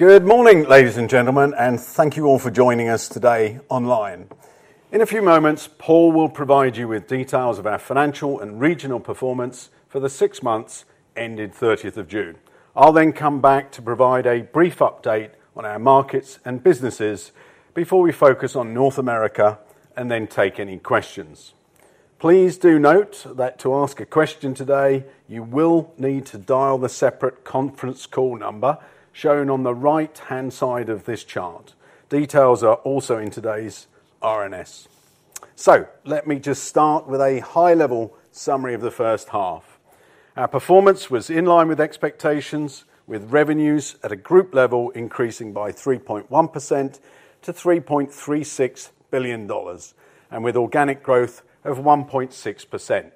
Good morning, ladies and gentlemen, and thank you all for joining us today online. In a few moments, Paul will provide you with details of our financial and regional performance for the six months ending 30th of June. I'll then come back to provide a brief update on our markets and businesses before we focus on North America and then take any questions. Please do note that to ask a question today, you will need to dial the separate conference call number shown on the right-hand side of this chart. Details are also in today's RNS. Let me just start with a high-level summary of the first half. Our performance was in line with expectations, with revenues at a group level increasing by 3.1% to $3.36 billion, and with organic growth of 1.6%.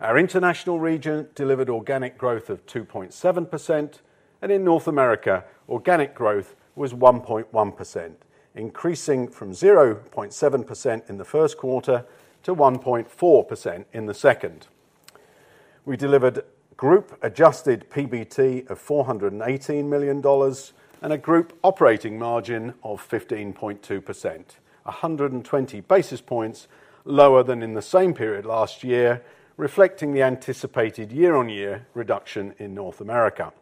Our international region delivered organic growth of 2.7%, and in North America, organic growth was 1.1%, increasing from 0.7% in the first quarter to 1.4% in the second. We delivered group-adjusted PBT of $418 million and a group operating margin of 15.2%, 120 basis points lower than in the same period last year, reflecting the anticipated year-on-year reduction in North America.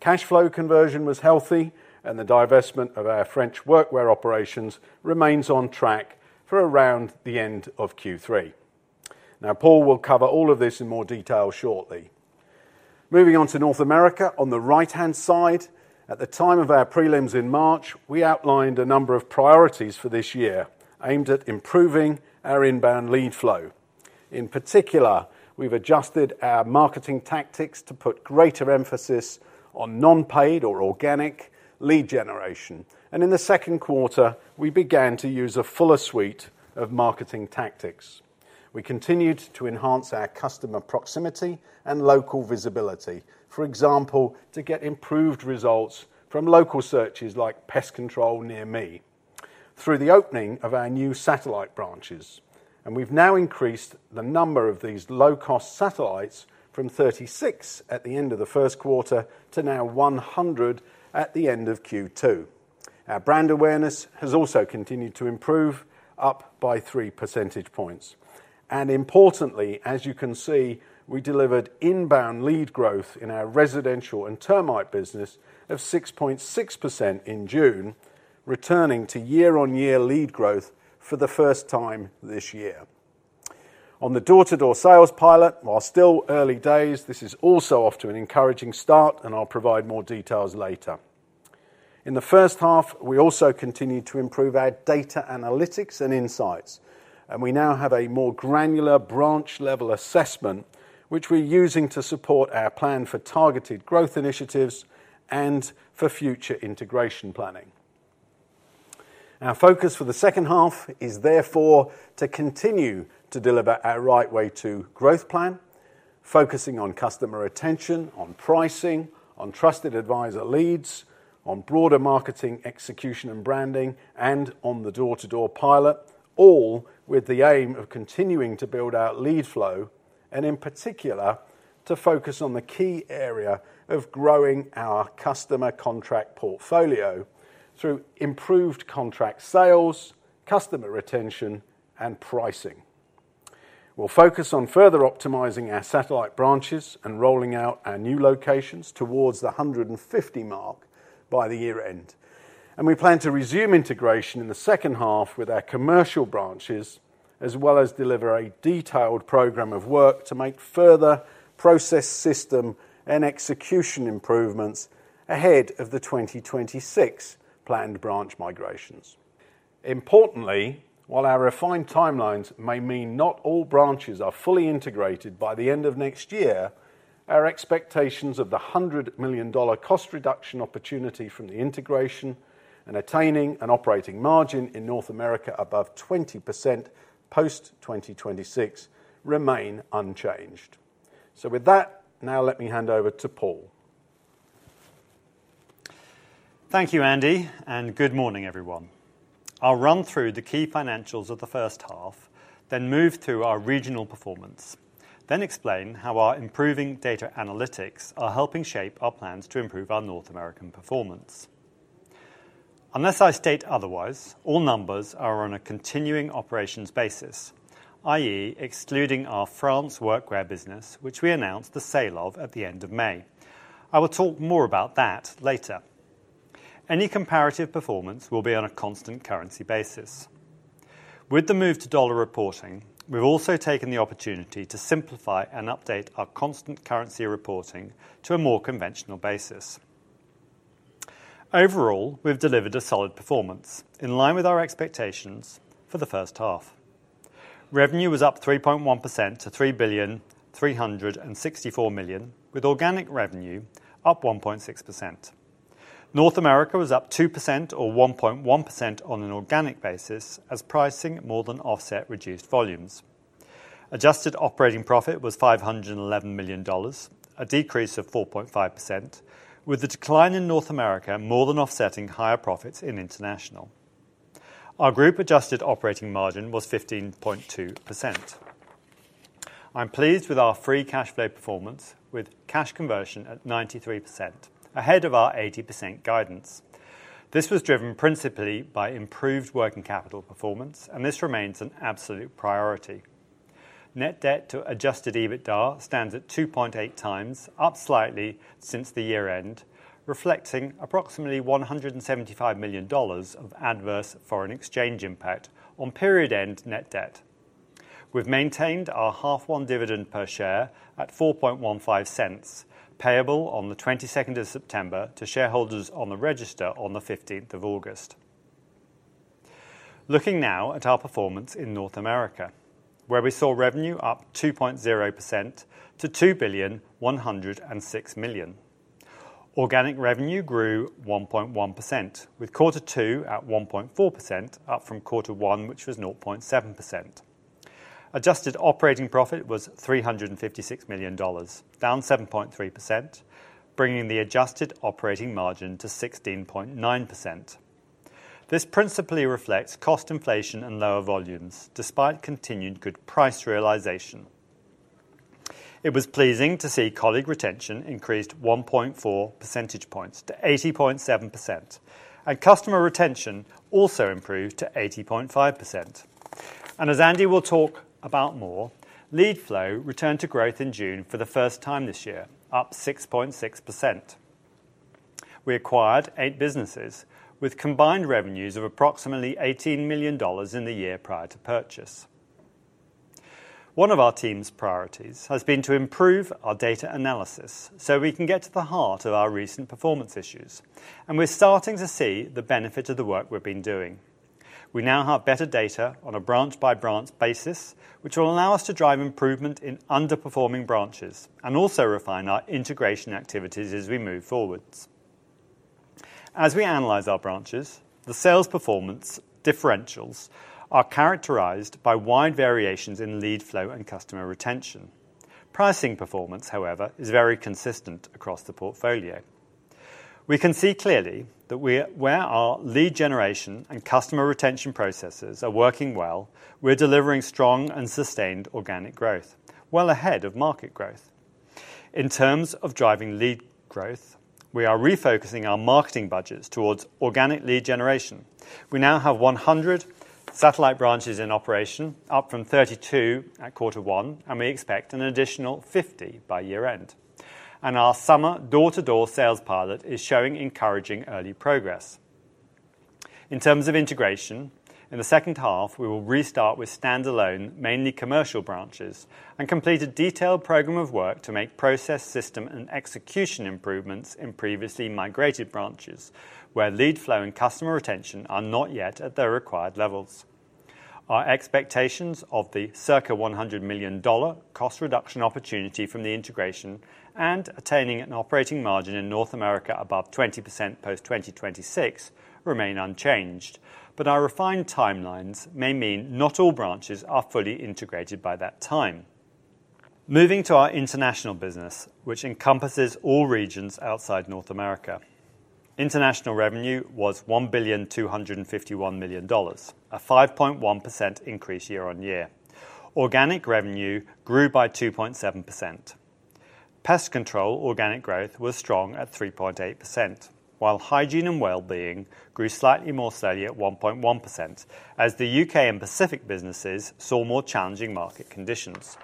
Cash flow conversion was healthy, and the divestment of our French Workwear operations remains on track for around the end of Q3. Paul will cover all of this in more detail shortly. Moving on to North America, on the right-hand side, at the time of our prelims in March, we outlined a number of priorities for this year aimed at improving our inbound lead flow. In particular, we've adjusted our marketing tactics to put greater emphasis on non-paid or organic lead generation. In the second quarter, we began to use a fuller suite of marketing tactics. We continued to enhance our customer proximity and local visibility, for example, to get improved results from local searches like "pest control near me" through the opening of our new satellite branches. We've now increased the number of these low-cost satellites from 36 at the end of the first quarter to now 100 at the end of Q2. Our brand awareness has also continued to improve, up by 3 percentage points. Importantly, as you can see, we delivered inbound lead growth in our residential and termite business of 6.6% in June, returning to year-on-year lead growth for the first time this year. On the door-to-door sales pilot, while still early days, this is also off to an encouraging start, and I'll provide more details later. In the first half, we also continued to improve our data analytics and insights, and we now have a more granular branch-level assessment, which we're using to support our plan for targeted growth initiatives and for future integration planning. Our focus for the second half is therefore to continue to deliver our Right Way 2 Growth plan, focusing on customer retention, on pricing, on trusted advisor leads, on broader marketing execution and branding, and on the door-to-door pilot, all with the aim of continuing to build our lead flow and, in particular, to focus on the key area of growing our customer contract portfolio through improved contract sales, customer retention, and pricing. We will focus on further optimizing our satellite branches and rolling out our new locations towards the 150 mark by the year-end. We plan to resume integration in the second half with our commercial branches, as well as deliver a detailed program of work to make further process, system, and execution improvements ahead of the 2026 planned branch migrations. Importantly, while our refined timelines may mean not all branches are fully integrated by the end of next year, our expectations of the $100 million cost reduction opportunity from the integration and attaining an operating margin in North America above 20% post-2026 remain unchanged. With that, now let me hand over to Paul. Thank you, Andy, and good morning, everyone. I'll run through the key financials of the first half, then move through our regional performance, then explain how our improving data analytics are helping shape our plans to improve our North American performance. Unless I state otherwise, all numbers are on a continuing operations basis, i.e., excluding our France Workwear business, which we announced the sale of at the end of May. I will talk more about that later. Any comparative performance will be on a constant currency basis. With the move to dollar reporting, we've also taken the opportunity to simplify and update our constant currency reporting to a more conventional basis. Overall, we've delivered a solid performance in line with our expectations for the first half. Revenue was up 3.1% to $3,364 million, with organic revenue up 1.6%. North America was up 2% or 1.1% on an organic basis, as pricing more than offset reduced volumes. Adjusted operating profit was $511 million, a decrease of 4.5%, with the decline in North America more than offsetting higher profits in international. Our group-adjusted operating margin was 15.2%. I'm pleased with our free cash flow performance, with cash conversion at 93%, ahead of our 80% guidance. This was driven principally by improved working capital performance, and this remains an absolute priority. Net debt to adjusted EBITDA stands at 2.8x, up slightly since the year-end, reflecting approximately $175 million of adverse foreign exchange impact on period-end net debt. We've maintained our half-one dividend per share at $0.0415, payable on the 22nd of September to shareholders on the register on the 15th of August. Looking now at our performance in North America, where we saw revenue up 2.0% to $2,106 million. Organic revenue grew 1.1%, with quarter two at 1.4%, up from quarter one, which was 0.7%. Adjusted operating profit was $356 million, down 7.3%, bringing the adjusted operating margin to 16.9%. This principally reflects cost inflation and lower volumes, despite continued good price realization. It was pleasing to see colleague retention increased 1.4 percentage points to 80.7%, and customer retention also improved to 80.5%. As Andy will talk about more, lead flow returned to growth in June for the first time this year, up 6.6%. We acquired eight businesses, with combined revenues of approximately $18 million in the year prior to purchase. One of our team's priorities has been to improve our data analysis so we can get to the heart of our recent performance issues, and we're starting to see the benefit of the work we've been doing. We now have better data on a branch-by-branch basis, which will allow us to drive improvement in underperforming branches and also refine our integration activities as we move forwards. As we analyze our branches, the sales performance differentials are characterized by wide variations in lead flow and customer retention. Pricing performance, however, is very consistent across the portfolio. We can see clearly that where our lead generation and customer retention processes are working well, we're delivering strong and sustained organic growth, well ahead of market growth. In terms of driving lead growth, we are refocusing our marketing budgets towards organic lead generation. We now have 100 satellite branches in operation, up from 32 at quarter one, and we expect an additional 50 by year-end. Our summer door-to-door sales pilot is showing encouraging early progress. In terms of integration, in the second half, we will restart with standalone, mainly commercial branches and complete a detailed program of work to make process, system, and execution improvements in previously migrated branches where lead flow and customer retention are not yet at their required levels. Our expectations of the circa $100 million cost reduction opportunity from the integration and attaining an operating margin in North America above 20% post-2026 remain unchanged, although our refined timelines may mean not all branches are fully integrated by that time. Moving to our international business, which encompasses all regions outside North America, international revenue was $1,251 million, a 5.1% increase year-on-year. Organic revenue grew by 2.7%. Pest control organic growth was strong at 3.8%, while hygiene and well-being grew slightly more steadily at 1.1% as the U.K. and Pacific businesses saw more challenging market conditions.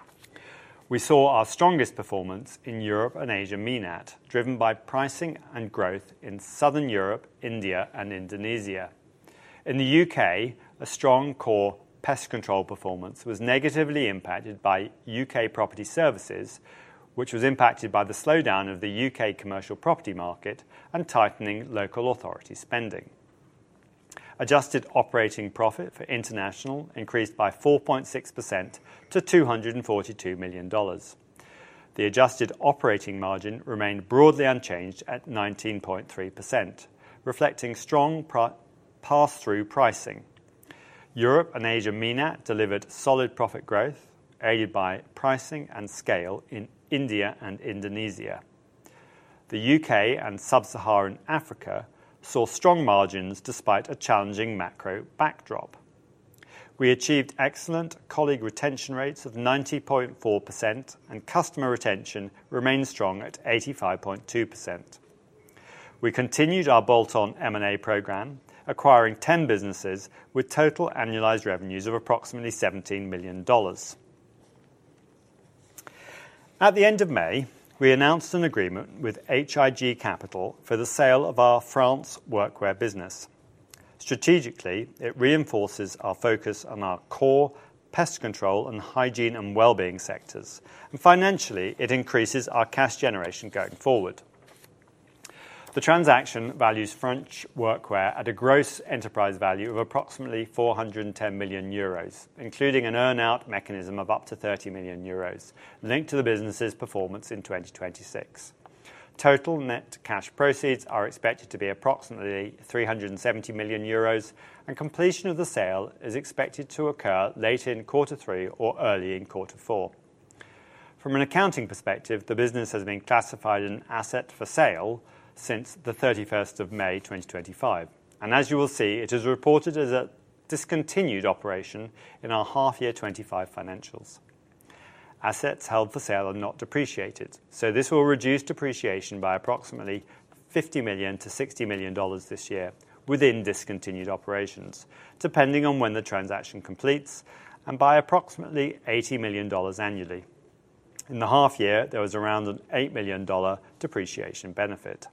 We saw our strongest performance in Europe and Asia MENAT, driven by pricing and growth in Southern Europe, India, and Indonesia. In the U.K., a strong core pest control performance was negatively impacted by U.K. Property Services, which was impacted by the slowdown of the U.K. commercial property market and tightening local authority spending. Adjusted operating profit for international increased by 4.6% to $242 million. The adjusted operating margin remained broadly unchanged at 19.3%, reflecting strong pass-through pricing. Europe and Asia MENAT delivered solid profit growth, aided by pricing and scale in India and Indonesia. The U.K. and sub-Saharan Africa saw strong margins despite a challenging macro backdrop. We achieved excellent colleague retention rates of 90.4%, and customer retention remained strong at 85.2%. We continued our bolt-on M&A program, acquiring 10 businesses with total annualized revenues of approximately $17 million. At the end of May, we announced an agreement with H.I.G. Capital for the sale of our France Workwear business. Strategically, it reinforces our focus on our core pest control and hygiene and well-being sectors, and financially, it increases our cash generation going forward. The transaction values French Workwear at a gross enterprise value of approximately 410 million euros, including an earn-out mechanism of up to 30 million euros linked to the business's performance in 2026. Total net cash proceeds are expected to be approximately 370 million euros, and completion of the sale is expected to occur late in quarter three or early in quarter four. From an accounting perspective, the business has been classified as an asset for sale since the 31st of May 2025, and as you will see, it is reported as a discontinued operation in our half-year 2025 financials. Assets held for sale are not depreciated, so this will reduce depreciation by approximately $50 million-$60 million this year within discontinued operations, depending on when the transaction completes, and by approximately $80 million annually. In the half year, there was around an $8 million depreciation benefit.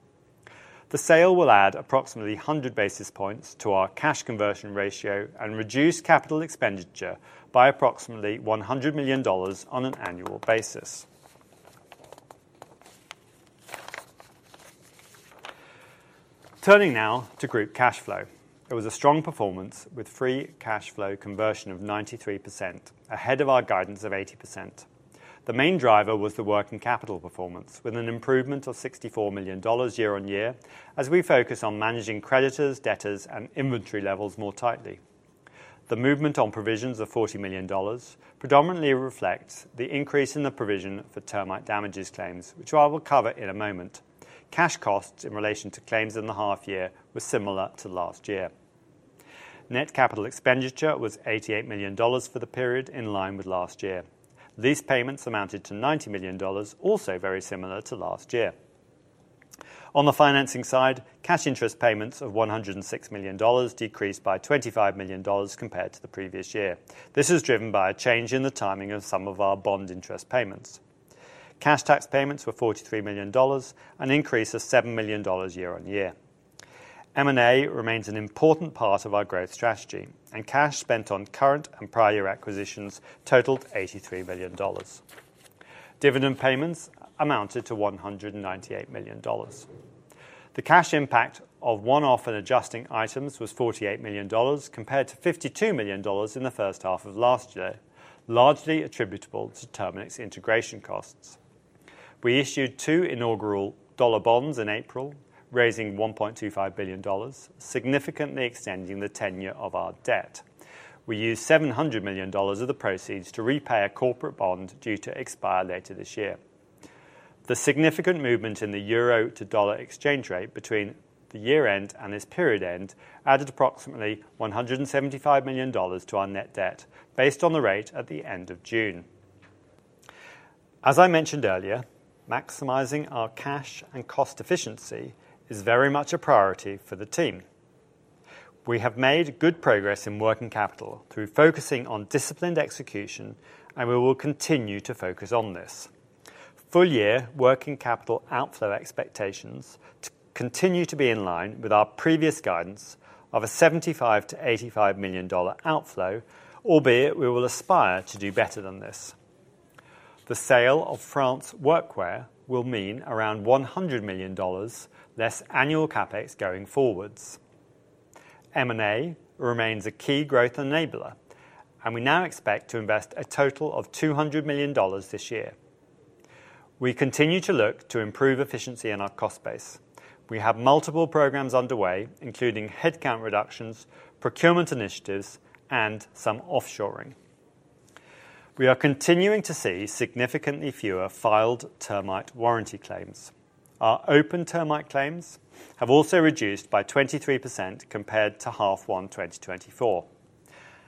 The sale will add approximately 100 basis points to our cash conversion ratio and reduce capital expenditure by approximately $100 million on an annual basis. Turning now to group cash flow, there was a strong performance with free cash flow conversion of 93%, ahead of our guidance of 80%. The main driver was the working capital performance, with an improvement of $64 million year-on-year as we focus on managing creditors, debtors, and inventory levels more tightly. The movement on provisions of $40 million predominantly reflects the increase in the provision for termite damages claims, which I will cover in a moment. Cash costs in relation to claims in the half year were similar to last year. Net capital expenditure was $88 million for the period in line with last year. These payments amounted to $90 million, also very similar to last year. On the financing side, cash interest payments of $106 million decreased by $25 million compared to the previous year. This is driven by a change in the timing of some of our bond interest payments. Cash tax payments were $43 million, an increase of $7 million year-on-year. M&A remains an important part of our growth strategy, and cash spent on current and prior acquisitions totaled $83 million. Dividend payments amounted to $198 million. The cash impact of one-off and adjusting items was $48 million, compared to $52 million in the first half of last year, largely attributable to Terminix integration costs. We issued two inaugural dollar bonds in April, raising $1.25 billion, significantly extending the tenure of our debt. We used $700 million of the proceeds to repay a corporate bond due to expire later this year. The significant movement in the euro to dollar exchange rate between the year-end and this period end added approximately $175 million to our net debt, based on the rate at the end of June. As I mentioned earlier, maximizing our cash and cost efficiency is very much a priority for the team. We have made good progress in working capital through focusing on disciplined execution, and we will continue to focus on this. Full-year working capital outflow expectations continue to be in line with our previous guidance of a $75-$85 million outflow, albeit we will aspire to do better than this. The sale of France Workwear will mean around $100 million less annual capex going forwards. M&A remains a key growth enabler, and we now expect to invest a total of $200 million this year. We continue to look to improve efficiency in our cost base. We have multiple programs underway, including headcount reductions, procurement initiatives, and some offshoring. We are continuing to see significantly fewer filed termite warranty claims. Our open termite claims have also reduced by 23% compared to half-one 2024.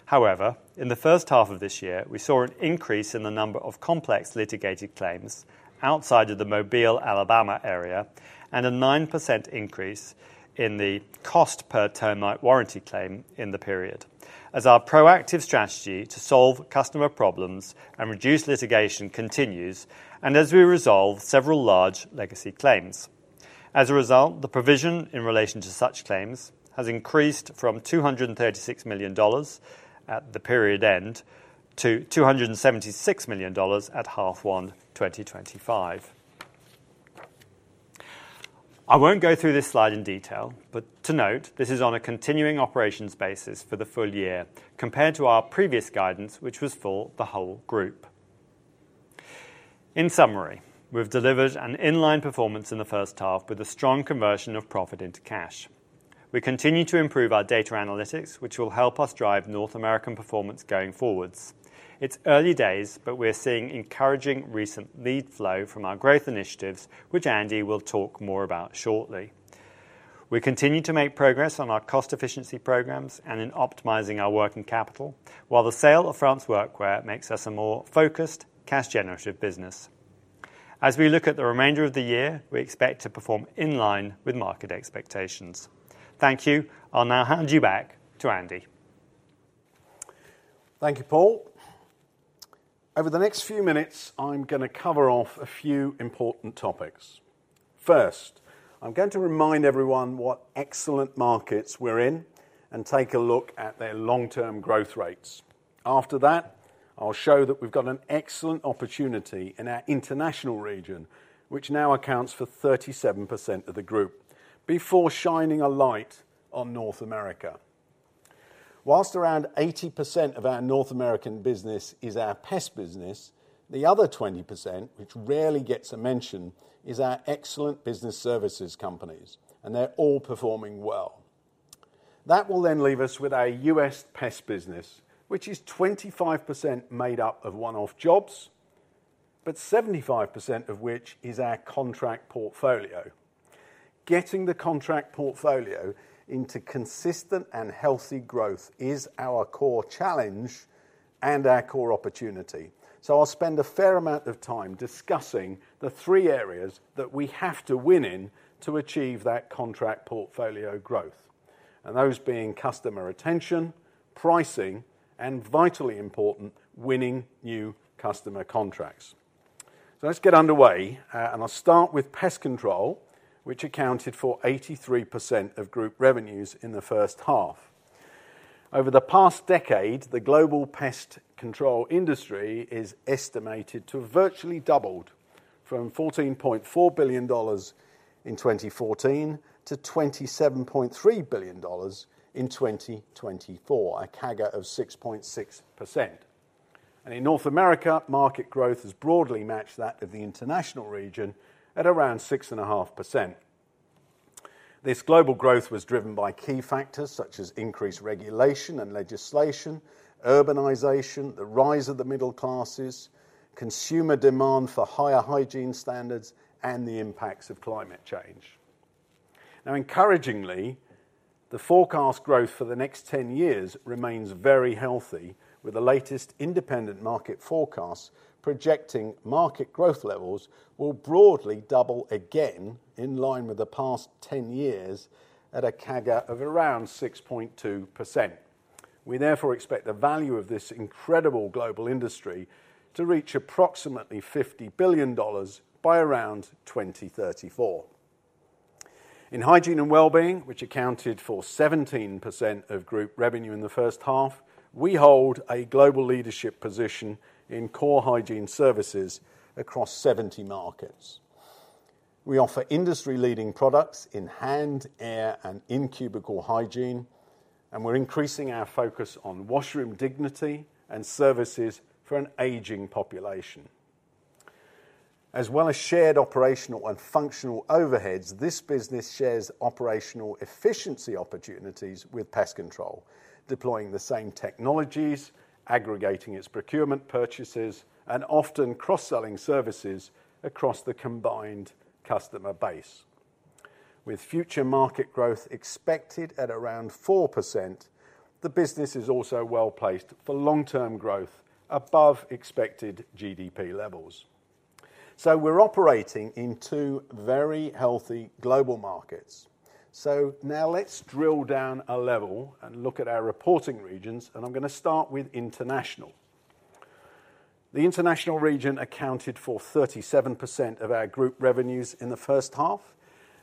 However, in the first half of this year, we saw an increase in the number of complex litigated claims outside of the Mobile, Alabama area, and a 9% increase in the cost per termite warranty claim in the period, as our proactive strategy to solve customer problems and reduce litigation continues, and as we resolve several large legacy claims. As a result, the provision in relation to such claims has increased from $236 million at the period end to $276 million at half-one 2025. I won't go through this slide in detail, but to note, this is on a continuing operations basis for the full year, compared to our previous guidance, which was for the whole group. In summary, we've delivered an inline performance in the first half with a strong conversion of profit into cash. We continue to improve our data analytics, which will help us drive North American performance going forwards. It's early days, but we're seeing encouraging recent lead flow from our growth initiatives, which Andy will talk more about shortly. We continue to make progress on our cost efficiency programs and in optimizing our working capital, while the sale of France Workwear makes us a more focused, cash-generative business. As we look at the remainder of the year, we expect to perform in line with market expectations. Thank you. I'll now hand you back to Andy. Thank you, Paul. Over the next few minutes, I'm going to cover off a few important topics. First, I'm going to remind everyone what excellent markets we're in and take a look at their long-term growth rates. After that, I'll show that we've got an excellent opportunity in our international region, which now accounts for 37% of the group, before shining a light on North America. Whilst around 80% of our North American business is our pest business, the other 20%, which rarely gets a mention, is our excellent business services companies, and they're all performing well. That will then leave us with our U.S. pest business, which is 25% made up of one-off jobs, but 75% of which is our contract portfolio. Getting the contract portfolio into consistent and healthy growth is our core challenge and our core opportunity. I’ll spend a fair amount of time discussing the three areas that we have to win in to achieve that contract portfolio growth, and those being customer retention, pricing, and vitally important, winning new customer contracts. Let's get underway, and I'll start with pest control, which accounted for 83% of group revenues in the first half. Over the past decade, the global pest control industry is estimated to have virtually doubled from $14.4 billion in 2014 to $27.3 billion in 2024, a CAGR of 6.6%. In North America, market growth has broadly matched that of the international region at around 6.5%. This global growth was driven by key factors such as increased regulation and legislation, urbanization, the rise of the middle classes, consumer demand for higher hygiene standards, and the impacts of climate change. Encouragingly, the forecast growth for the next 10 years remains very healthy, with the latest independent market forecasts projecting market growth levels will broadly double again in line with the past 10 years at a CAGR of around 6.2%. We therefore expect the value of this incredible global industry to reach approximately $50 billion by around 2034. In hygiene and well-being, which accounted for 17% of group revenue in the first half, we hold a global leadership position in core hygiene services across 70 markets. We offer industry-leading products in hand, air, and in-cubicle hygiene, and we're increasing our focus on washroom dignity and services for an aging population. As well as shared operational and functional overheads, this business shares operational efficiency opportunities with pest control, deploying the same technologies, aggregating its procurement purchases, and often cross-selling services across the combined customer base. With future market growth expected at around 4%, the business is also well-placed for long-term growth above expected GDP levels. We're operating in two very healthy global markets. Now let's drill down a level and look at our reporting regions, and I'm going to start with International. The International region accounted for 37% of our group revenues in the first half,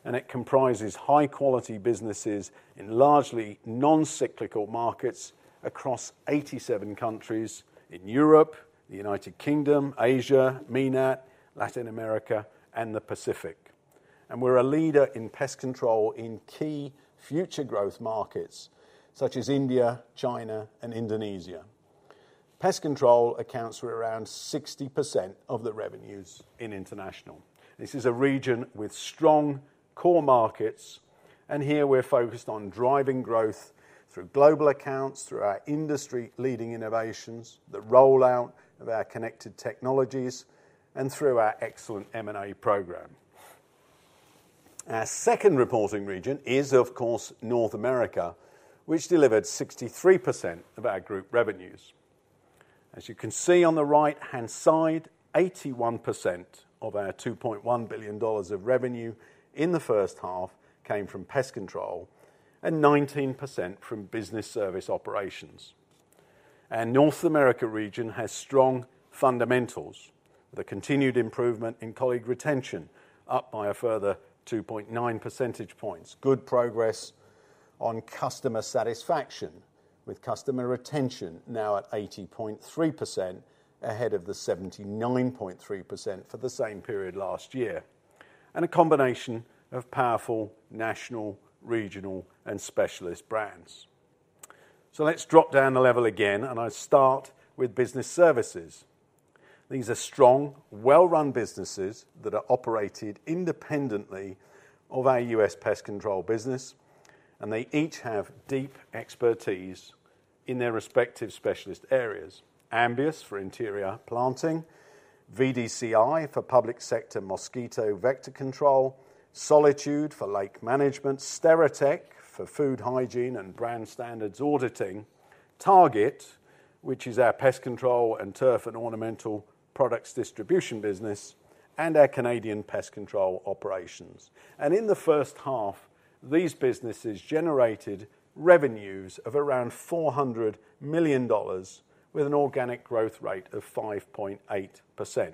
and it comprises high-quality businesses in largely non-cyclical markets across 87 countries in Europe, the United Kingdom, Asia, MENAT, Latin America, and the Pacific. We're a leader in pest control in key future growth markets such as India, China, and Indonesia. Pest Control accounts for around 60% of the revenues in International. This is a region with strong core markets, and here we're focused on driving growth through global accounts, through our industry-leading innovations, the rollout of our connected technologies, and through our excellent M&A program. Our second reporting region is, of course, North America, which delivered 63% of our group revenues. As you can see on the right-hand side, 81% of our $2.1 billion of revenue in the first half came from pest control and 19% from business service operations. Our North America region has strong fundamentals with a continued improvement in colleague retention, up by a further 2.9 percentage points, good progress on customer satisfaction, with customer retention now at 80.3% ahead of the 79.3% for the same period last year, and a combination of powerful national, regional, and specialist brands. Let's drop down a level again, and I start with business services. These are strong, well-run businesses that are operated independently of our U.S. pest control business, and they each have deep expertise in their respective specialist areas: Ambius for interior planting, VDCI for public sector mosquito vector control, SOLitude for lake management, Steritech for food hygiene and brand standards auditing, Target, which is our Pest Control and Turf and Ornamental products distribution business, and our Canadian Pest Control operations. In the first half, these businesses generated revenues of around $400 million, with an organic growth rate of 5.8%.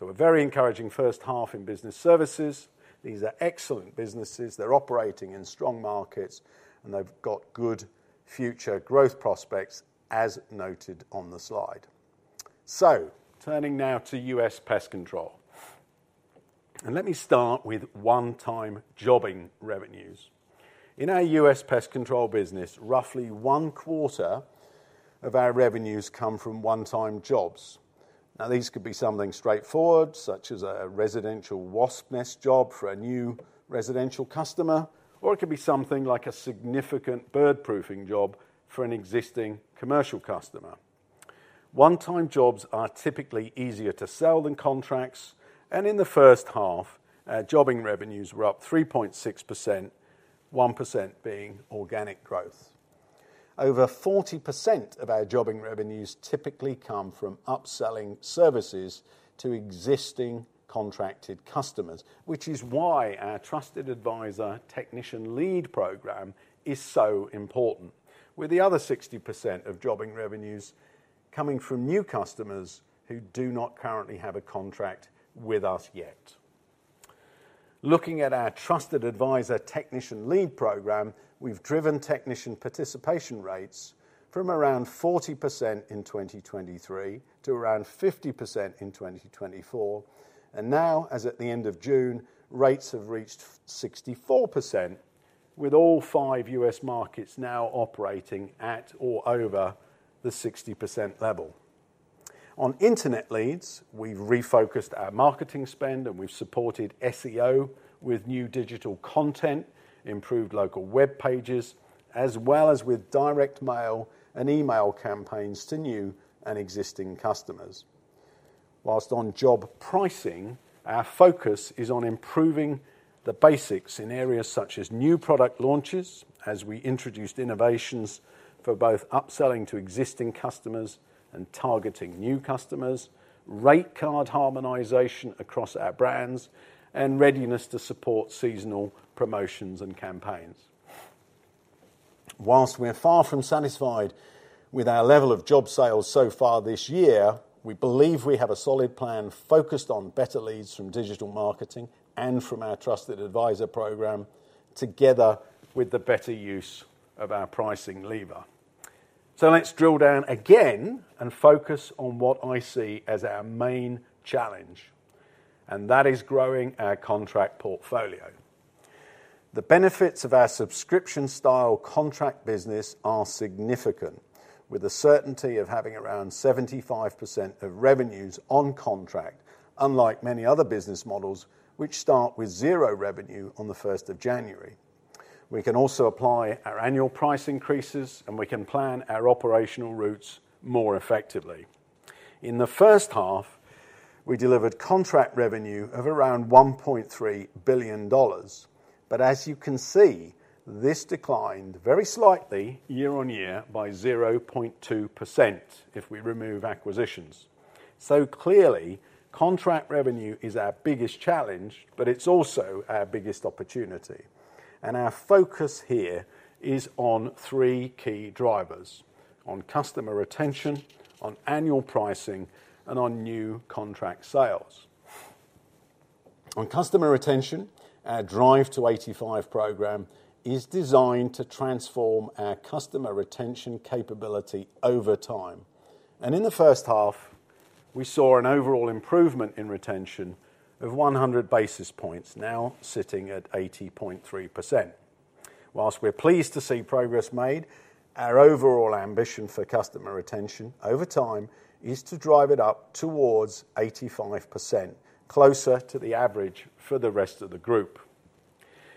A very encouraging first half in business services. These are excellent businesses. They're operating in strong markets, and they've got good future growth prospects, as noted on the slide. Turning now to U.S. pest control. Let me start with one-time jobbing revenues. In our U.S. pest control business, roughly one quarter of our revenues come from one-time jobs. These could be something straightforward, such as a residential wasp nest job for a new residential customer, or it could be something like a significant bird-proofing job for an existing commercial customer. One-time jobs are typically easier to sell than contracts, and in the first half, our jobbing revenues were up 3.6%, 1% being organic growth. Over 40% of our jobbing revenues typically come from upselling services to existing contracted customers, which is why our trusted advisor technician lead program is so important, with the other 60% of jobbing revenues coming from new customers who do not currently have a contract with us yet. Looking at our trusted advisor technician lead program, we've driven technician participation rates from around 40% in 2023 to around 50% in 2024. Now, as at the end of June, rates have reached 64%, with all five U.S. markets now operating at or over the 60% level. On internet leads, we've refocused our marketing spend, and we've supported SEO with new digital content, improved local web pages, as well as with direct mail and email campaigns to new and existing customers. Whilst on job pricing, our focus is on improving the basics in areas such as new product launches, as we introduced innovations for both upselling to existing customers and targeting new customers, rate card harmonization across our brands, and readiness to support seasonal promotions and campaigns. Whilst we're far from satisfied with our level of job sales so far this year, we believe we have a solid plan focused on better leads from digital marketing and from our trusted advisor program, together with the better use of our pricing lever. Let's drill down again and focus on what I see as our main challenge, and that is growing our contract portfolio. The benefits of our subscription-style contract business are significant, with the certainty of having around 75% of revenues on contract, unlike many other business models which start with zero revenue on the 1st of January. We can also apply our annual price increases, and we can plan our operational routes more effectively. In the first half, we delivered contract revenue of around $1.3 billion, but as you can see, this declined very slightly year on year by 0.2% if we remove acquisitions. Clearly, contract revenue is our biggest challenge, but it's also our biggest opportunity. Our focus here is on three key drivers: on customer retention, on annual pricing, and on new contract sales. On customer retention, our Drive to 85 program is designed to transform our customer retention capability over time. In the first half, we saw an overall improvement in retention of 100 basis points, now sitting at 80.3%. Whilst we're pleased to see progress made, our overall ambition for customer retention over time is to drive it up towards 85%, closer to the average for the rest of the group.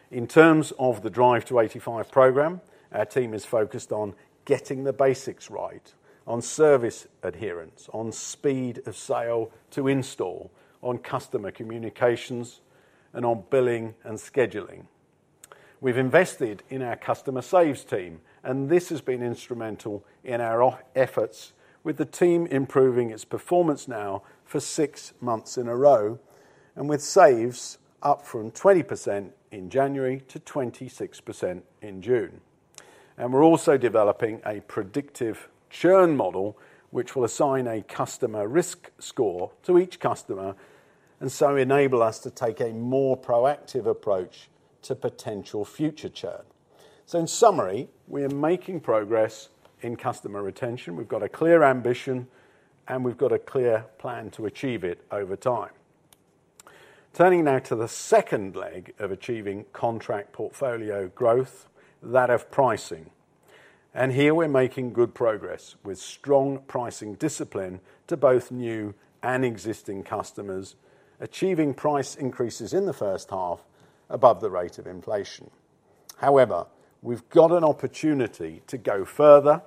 In terms of the Drive to 85 program, our team is focused on getting the basics right, on service adherence, on speed of sale to install, on customer communications, and on billing and scheduling. We've invested in our customer saves team, and this has been instrumental in our efforts, with the team improving its performance now for six months in a row, and with saves up from 20% in January to 26% in June. We are also developing a predictive churn model, which will assign a customer risk score to each customer and enable us to take a more proactive approach to potential future churn. In summary, we are making progress in customer retention. We've got a clear ambition, and we've got a clear plan to achieve it over time. Turning now to the second leg of achieving contract portfolio growth, that of pricing. Here we're making good progress with strong pricing discipline to both new and existing customers, achieving price increases in the first half above the rate of inflation. However, we've got an opportunity to go further,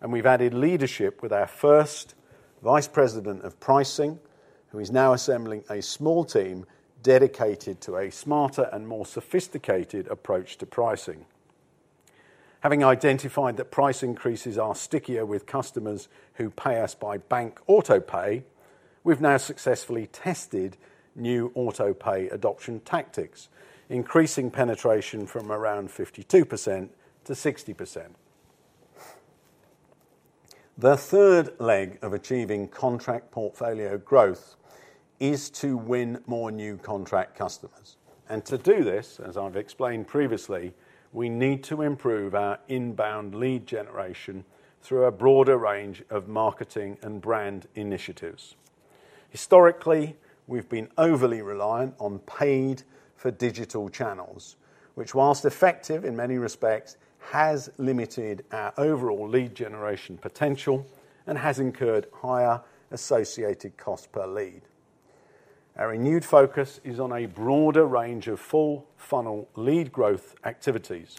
and we've added leadership with our first Vice President of Pricing, who is now assembling a small team dedicated to a smarter and more sophisticated approach to pricing. Having identified that price increases are stickier with customers who pay us by bank autopay, we've now successfully tested new autopay adoption tactics, increasing penetration from around 52% to 60%. The third leg of achieving contract portfolio growth is to win more new contract customers. To do this, as I've explained previously, we need to improve our inbound lead generation through a broader range of marketing and brand initiatives. Historically, we've been overly reliant on paid digital channels, which, whilst effective in many respects, has limited our overall lead generation potential and has incurred higher associated cost per lead. Our renewed focus is on a broader range of full-funnel lead growth activities.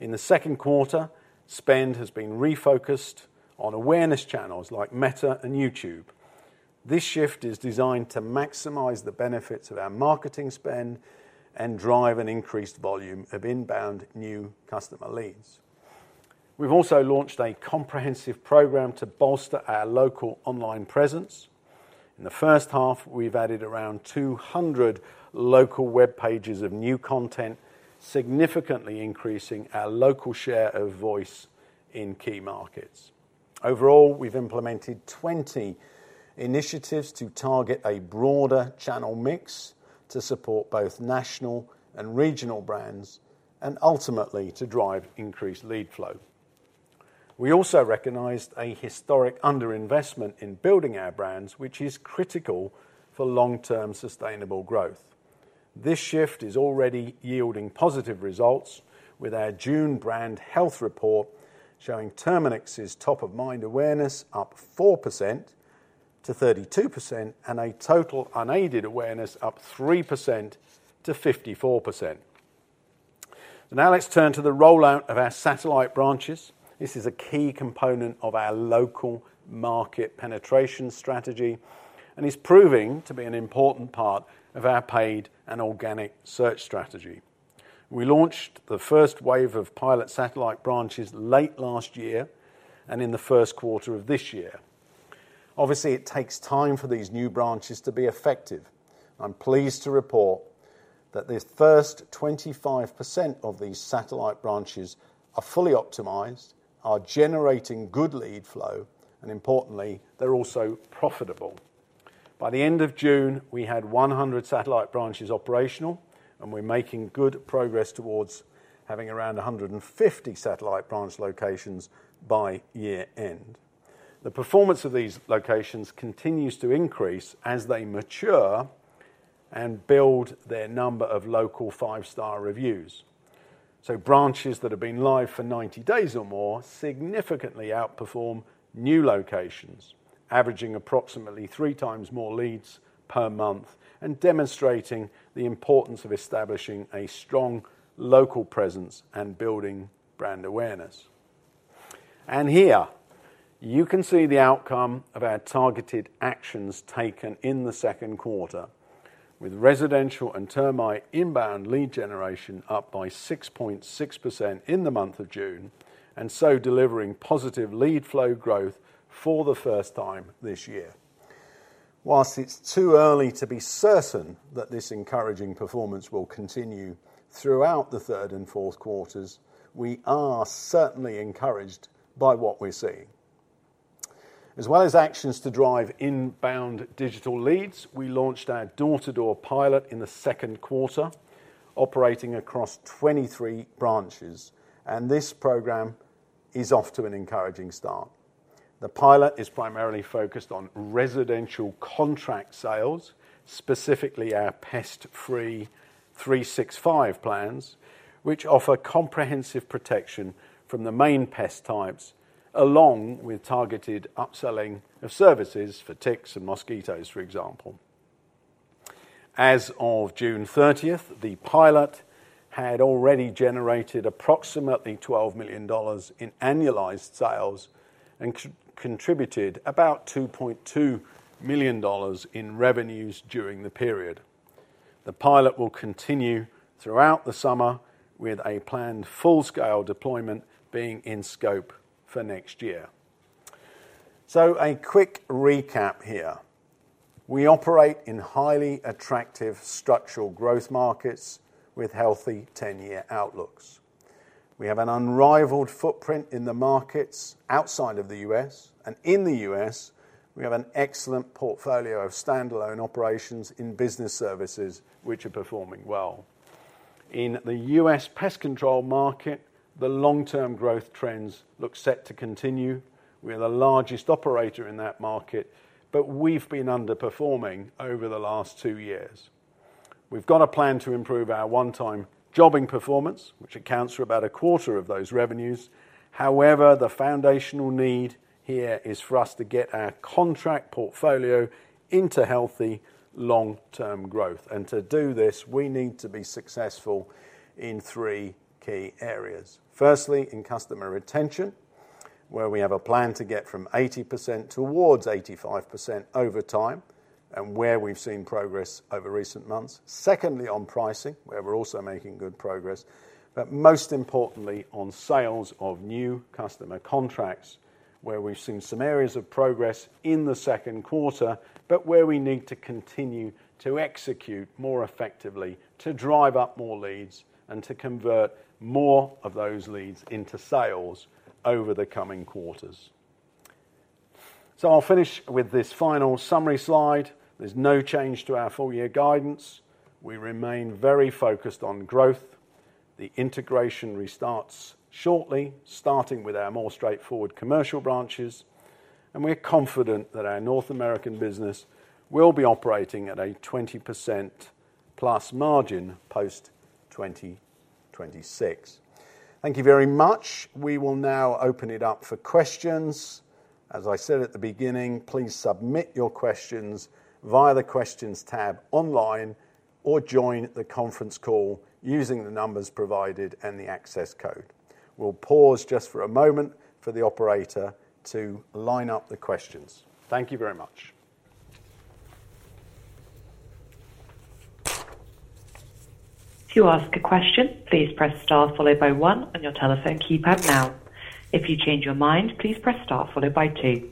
In the second quarter, spend has been refocused on awareness channels like Meta and YouTube. This shift is designed to maximize the benefits of our marketing spend and drive an increased volume of inbound new customer leads. We've also launched a comprehensive program to bolster our local online presence. In the first half, we've added around 200 local web pages of new content, significantly increasing our local share of voice in key markets. Overall, we've implemented 20 initiatives to target a broader channel mix to support both national and regional brands and ultimately to drive increased lead flow. We also recognized a historic underinvestment in building our brands, which is critical for long-term sustainable growth. This shift is already yielding positive results, with our June brand health report showing Terminix's top-of-mind awareness up 4% to 32%, and total unaided awareness up 3% to 54%. Now let's turn to the rollout of our satellite branches. This is a key component of our local market penetration strategy and is proving to be an important part of our paid and organic search strategy. We launched the first wave of pilot satellite branches late last year and in the first quarter of this year. Obviously, it takes time for these new branches to be effective. I'm pleased to report that the first 25% of these satellite branches are fully optimized, are generating good lead flow, and importantly, they're also profitable. By the end of June, we had 100 satellite branches operational, and we're making good progress towards having around 150 satellite branch locations by year-end. The performance of these locations continues to increase as they mature and build their number of local five-star reviews. Branches that have been live for 90 days or more significantly outperform new locations, averaging approximately three times more leads per month, and demonstrating the importance of establishing a strong local presence and building brand awareness. Here, you can see the outcome of our targeted actions taken in the second quarter, with residential and termite inbound lead generation up by 6.6% in the month of June, delivering positive lead flow growth for the first time this year. Whilst it's too early to be certain that this encouraging performance will continue throughout the third and fourth quarters, we are certainly encouraged by what we're seeing. As well as actions to drive inbound digital leads, we launched our door-to-door pilot in the second quarter, operating across 23 branches, and this program is off to an encouraging start. The pilot is primarily focused on residential contract sales, specifically our PestFree365 plans, which offer comprehensive protection from the main pest types, along with targeted upselling of services for ticks and mosquitoes, for example. As of June 30th, the pilot had already generated approximately $12 million in annualized sales and contributed about $2.2 million in revenues during the period. The pilot will continue throughout the summer, with a planned full-scale deployment being in scope for next year. A quick recap here. We operate in highly attractive structural growth markets with healthy 10-year outlooks. We have an unrivaled footprint in the markets outside of the U.S., and in the U.S., we have an excellent portfolio of standalone operations in business services, which are performing well. In the U.S. pest control market, the long-term growth trends look set to continue. We are the largest operator in that market, but we've been underperforming over the last two years. We've got a plan to improve our one-time jobbing performance, which accounts for about a quarter of those revenues. However, the foundational need here is for us to get our contract portfolio into healthy long-term growth. To do this, we need to be successful in three key areas. Firstly, in customer retention, where we have a plan to get from 80% towards 85% over time, and where we've seen progress over recent months. Secondly, on pricing, where we're also making good progress. Most importantly, on sales of new customer contracts, where we've seen some areas of progress in the second quarter, but where we need to continue to execute more effectively to drive up more leads and to convert more of those leads into sales over the coming quarters. I'll finish with this final summary slide. There's no change to our full-year guidance. We remain very focused on growth. The integration restarts shortly, starting with our more straightforward commercial branches. We're confident that our North American business will be operating at a 20% plus margin post-2026. Thank you very much. We will now open it up for questions. As I said at the beginning, please submit your questions via the questions tab online or join the conference call using the numbers provided and the access code. We'll pause just for a moment for the operator to line up the questions. Thank you very much. To ask a question, please press star followed by one on your telephone keypad now. If you change your mind, please press star followed by two.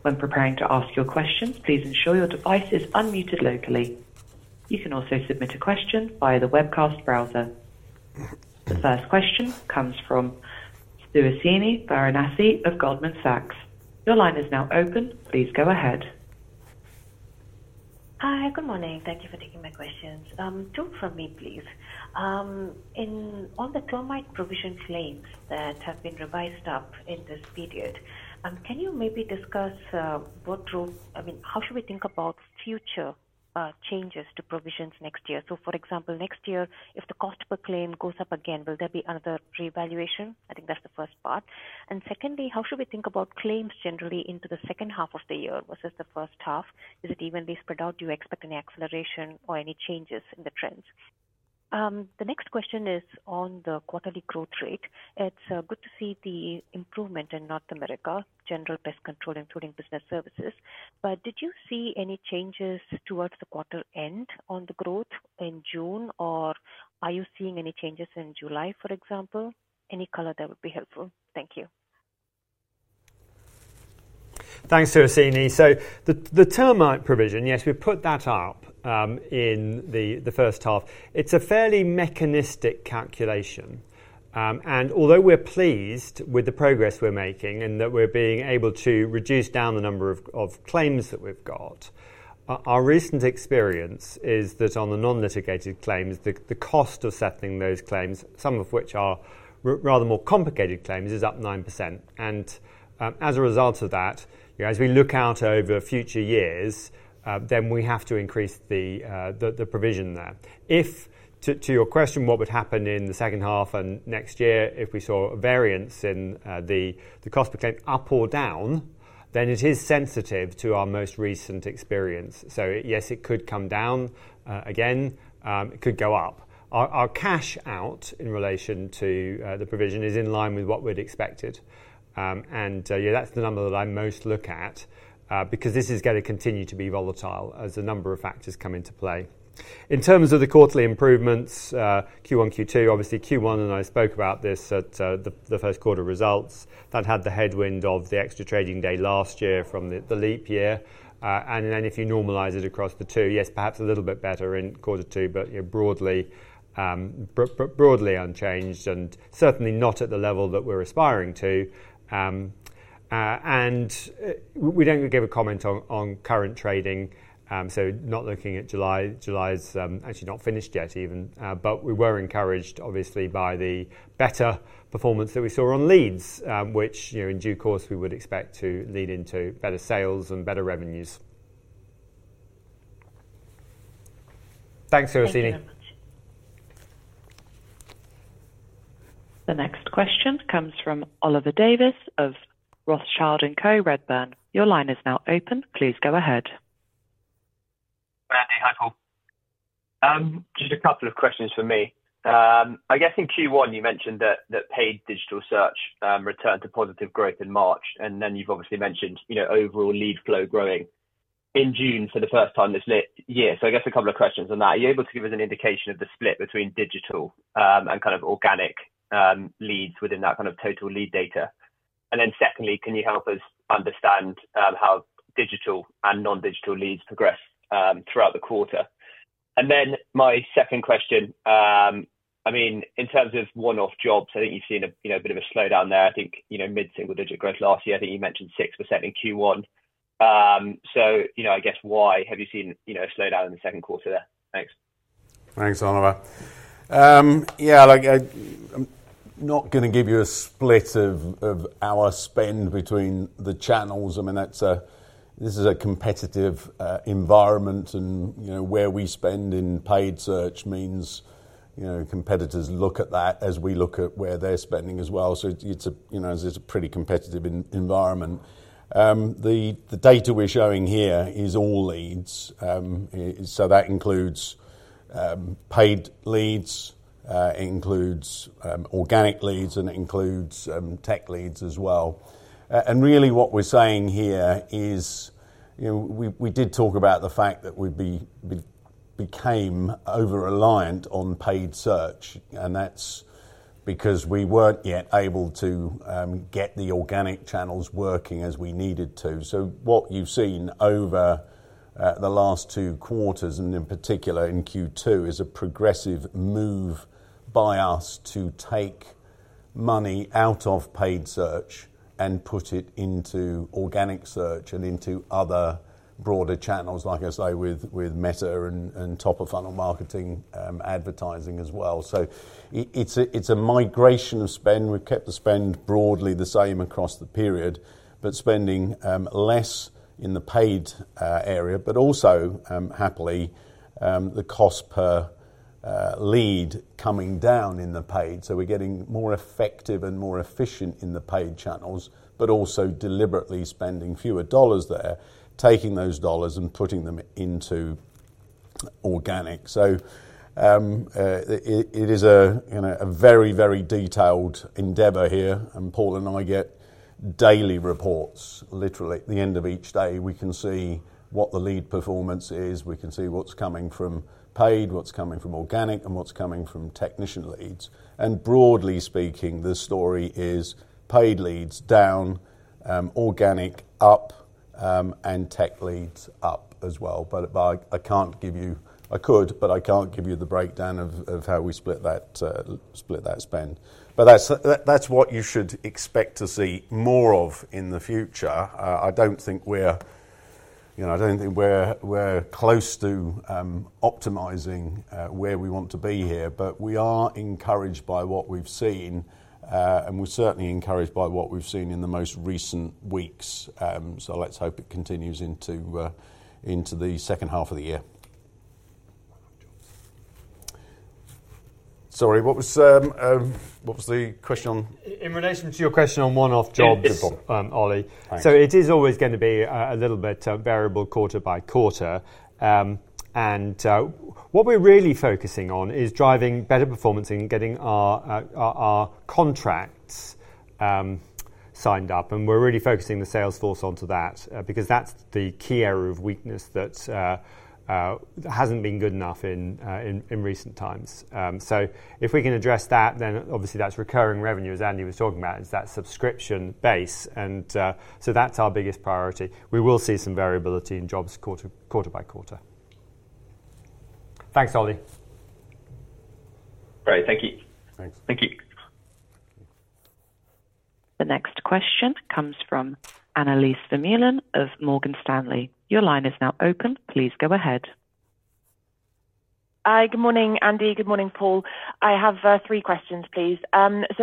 When preparing to ask your question, please ensure your device is unmuted locally. You can also submit a question via the webcast browser. The first question comes from Suhasini Varanasi of Goldman Sachs. Your line is now open. Please go ahead. Hi, good morning. Thank you for taking my questions. Two from me, please. On the termite provision claims that have been revised up in this period, can you maybe discuss what drove—I mean, how should we think about future changes to provisions next year? For example, next year, if the cost per claim goes up again, will there be another reevaluation? I think that's the first part. Secondly, how should we think about claims generally into the second half of the year versus the first half? Is it evenly spread out? Do you expect any acceleration or any changes in the trends? The next question is on the quarterly growth rate. It's good to see the improvement in North America general pest control, including business services. Did you see any changes towards the quarter end on the growth in June, or are you seeing any changes in July, for example? Any color that would be helpful? Thank you. Thanks, Suhasini. The termite provision, yes, we put that up in the first half. It's a fairly mechanistic calculation. Although we're pleased with the progress we're making and that we're being able to reduce down the number of claims that we've got, our recent experience is that on the non-litigated claims, the cost of settling those claims, some of which are rather more complicated claims, is up 9%. As a result of that, as we look out over future years, we have to increase the provision there. If, to your question, what would happen in the second half and next year, if we saw a variance in the cost per claim up or down, then it is sensitive to our most recent experience. Yes, it could come down again. It could go up. Our cash out in relation to the provision is in line with what we'd expected. That's the number that I most look at because this is going to continue to be volatile as a number of factors come into play. In terms of the quarterly improvements, Q1, Q2, obviously Q1, and I spoke about this at the first quarter results. That had the headwind of the extra trading day last year from the leap year. If you normalize it across the two, yes, perhaps a little bit better in quarter two, but broadly unchanged and certainly not at the level that we're aspiring to. We don't give a comment on current trading, so not looking at July. July's actually not finished yet even, but we were encouraged, obviously, by the better performance that we saw on leads, which in due course we would expect to lead into better sales and better revenues. Thanks, Suhasini. The next question comes from Oliver Davies of Rothschild and Co Redburn. Your line is now open. Please go ahead. Randy, hi Paul. Just a couple of questions for me. I guess in Q1, you mentioned that paid digital search returned to positive growth in March, and then you've obviously mentioned overall lead flow growing in June for the first time this year. I guess a couple of questions on that. Are you able to give us an indication of the split between digital and kind of organic leads within that kind of total lead data? Secondly, can you help us understand how digital and non-digital leads progress throughout the quarter? My second question, in terms of one-off jobs, I think you've seen a bit of a slowdown there. I think mid-single digit growth last year. I think you mentioned 6% in Q1. I guess why have you seen a slowdown in the second quarter there? Thanks. Thanks, Oliver. I'm not going to give you a split of our spend between the channels and the Meta. This is a competitive environment, and where we spend in paid search means competitors look at that as we look at where they're spending as well. It's a pretty competitive environment. The data we're showing here is all leads. That includes paid leads, it includes organic leads, and it includes tech leads as well. What we're saying here is we did talk about the fact that we became over-reliant on paid search, and that's because we weren't yet able to get the organic channels working as we needed to. What you've seen over the last two quarters, and in particular in Q2, is a progressive move by us to take money out of paid search and put it into organic search and into other broader channels, like I say, with Meta and top-of-funnel marketing advertising as well. It's a migration of spend. We've kept the spend broadly the same across the period, but spending less in the paid area, but also, happily, the cost per lead coming down in the paid. We're getting more effective and more efficient in the paid channels, but also deliberately spending fewer dollars there, taking those dollars and putting them into organic. It is a very, very detailed endeavor here. Paul and I get daily reports. Literally, at the end of each day, we can see what the lead performance is. We can see what's coming from paid, what's coming from organic, and what's coming from technician leads. Broadly speaking, the story is paid leads down, organic up, and tech leads up as well. I can't give you—I could, but I can't give you the breakdown of how we split that spend. That's what you should expect to see more of in the future. I don't think we're close to optimizing where we want to be here, but we are encouraged by what we've seen, and we're certainly encouraged by what we've seen in the most recent weeks. Let's hope it continues into the second half of the year. Sorry, what was the question on? In relation to your question on one-off jobs, Ollie, it is always going to be a little bit variable quarter by quarter. What we're really focusing on is driving better performance and getting our contracts signed up. We're really focusing the sales force onto that because that's the key area of weakness that hasn't been good enough in recent times. If we can address that, then obviously that's recurring revenue, as Andy was talking about, is that subscription base. That's our biggest priority. We will see some variability in jobs quarter by quarter. Thanks, Ollie. Great. Thank you. Thank you. The next question comes from Annelies Vermeulen of Morgan Stanley. Your line is now open. Please go ahead. Hi, good morning, Andy. Good morning, Paul. I have three questions, please.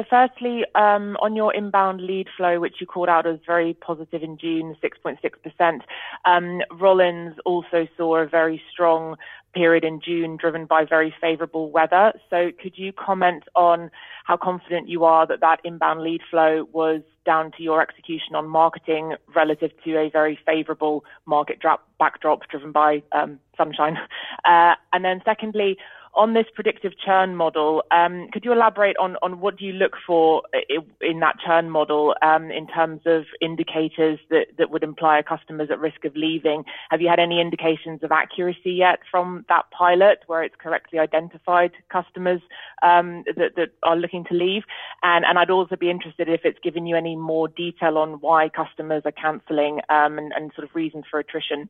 Firstly, on your inbound lead flow, which you called out as very positive in June, 6.6%. Rollins also saw a very strong period in June driven by very favorable weather. Could you comment on how confident you are that that inbound lead flow was down to your execution on marketing relative to a very favorable market backdrop driven by sunshine? Secondly, on this predictive churn model, could you elaborate on what you look for in that churn model in terms of indicators that would imply customers at risk of leaving? Have you had any indications of accuracy yet from that pilot where it's correctly identified customers that are looking to leave? I'd also be interested if it's given you any more detail on why customers are canceling and sort of reasons for attrition.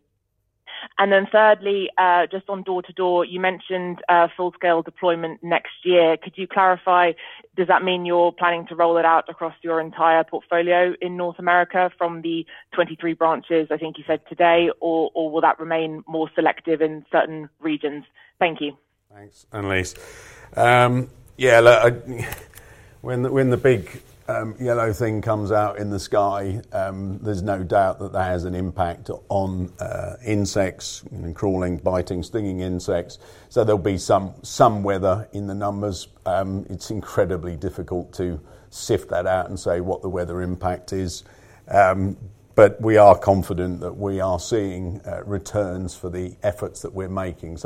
Thirdly, just on door-to-door, you mentioned full-scale deployment next year. Could you clarify, does that mean you're planning to roll it out across your entire portfolio in North America from the 23 branches, I think you said today, or will that remain more selective in certain regions? Thank you. Thanks, Annelies. Yeah. When the big yellow thing comes out in the sky, there's no doubt that that has an impact on insects, crawling, biting, stinging insects. There'll be some weather in the numbers. It's incredibly difficult to sift that out and say what the weather impact is. We are confident that we are seeing returns for the efforts that we're making.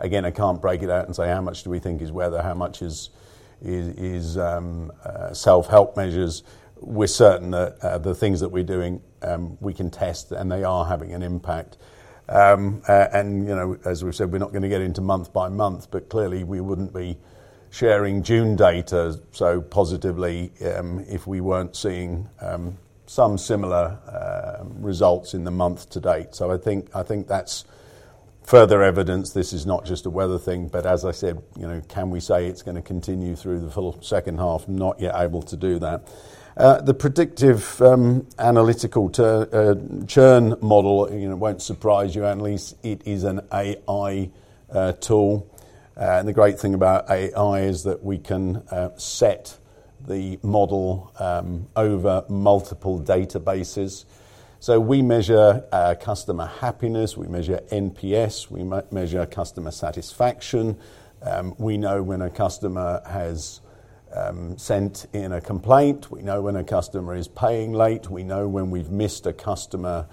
I can't break it out and say how much do we think is weather, how much is self-help measures. We're certain that the things that we're doing, we can test, and they are having an impact. As we've said, we're not going to get into month by month, but clearly we wouldn't be sharing June data so positively if we weren't seeing some similar results in the month to date. I think that's further evidence this is not just a weather thing. As I said, can we say it's going to continue through the full second half? Not yet able to do that. The predictive analytical churn model won't surprise you, Annelies. It is an AI tool. The great thing about AI is that we can set the model over multiple databases. We measure customer happiness. We measure NPS. We measure customer satisfaction. We know when a customer has sent in a complaint. We know when a customer is paying late. We know when we've missed a customer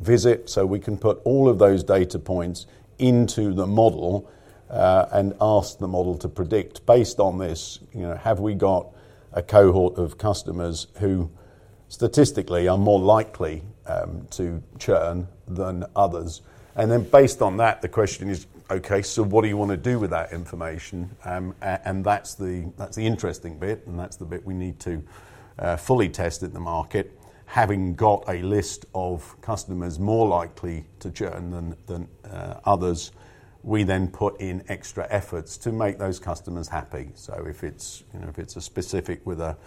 visit. We can put all of those data points into the model and ask the model to predict based on this, have we got a cohort of customers who statistically are more likely to churn than others? Based on that, the question is, okay, what do you want to do with that information? That's the interesting bit. That's the bit we need to fully test in the market. Having got a list of customers more likely to churn than others, we then put in extra efforts to make those customers happy. If it's a specific with a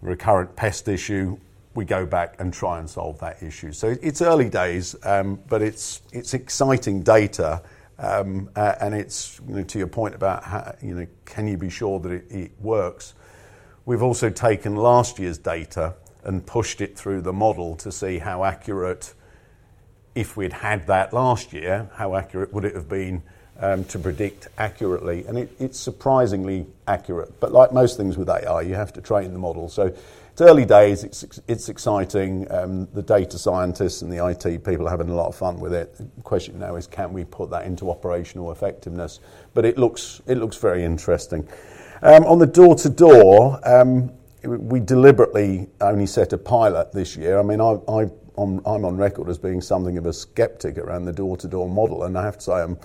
recurrent pest issue, we go back and try and solve that issue. It's early days, but it's exciting data. To your point about can you be sure that it works, we've also taken last year's data and pushed it through the model to see how accurate. If we'd had that last year, how accurate would it have been to predict accurately? It's surprisingly accurate. Like most things with AI, you have to train the model. It's early days. It's exciting. The data scientists and the IT people are having a lot of fun with it. The question now is, can we put that into operational effectiveness? It looks very interesting. On the door-to-door, we deliberately only set a pilot this year. I mean, I'm on record as being something of a skeptic around the door-to-door model. I have to say I'm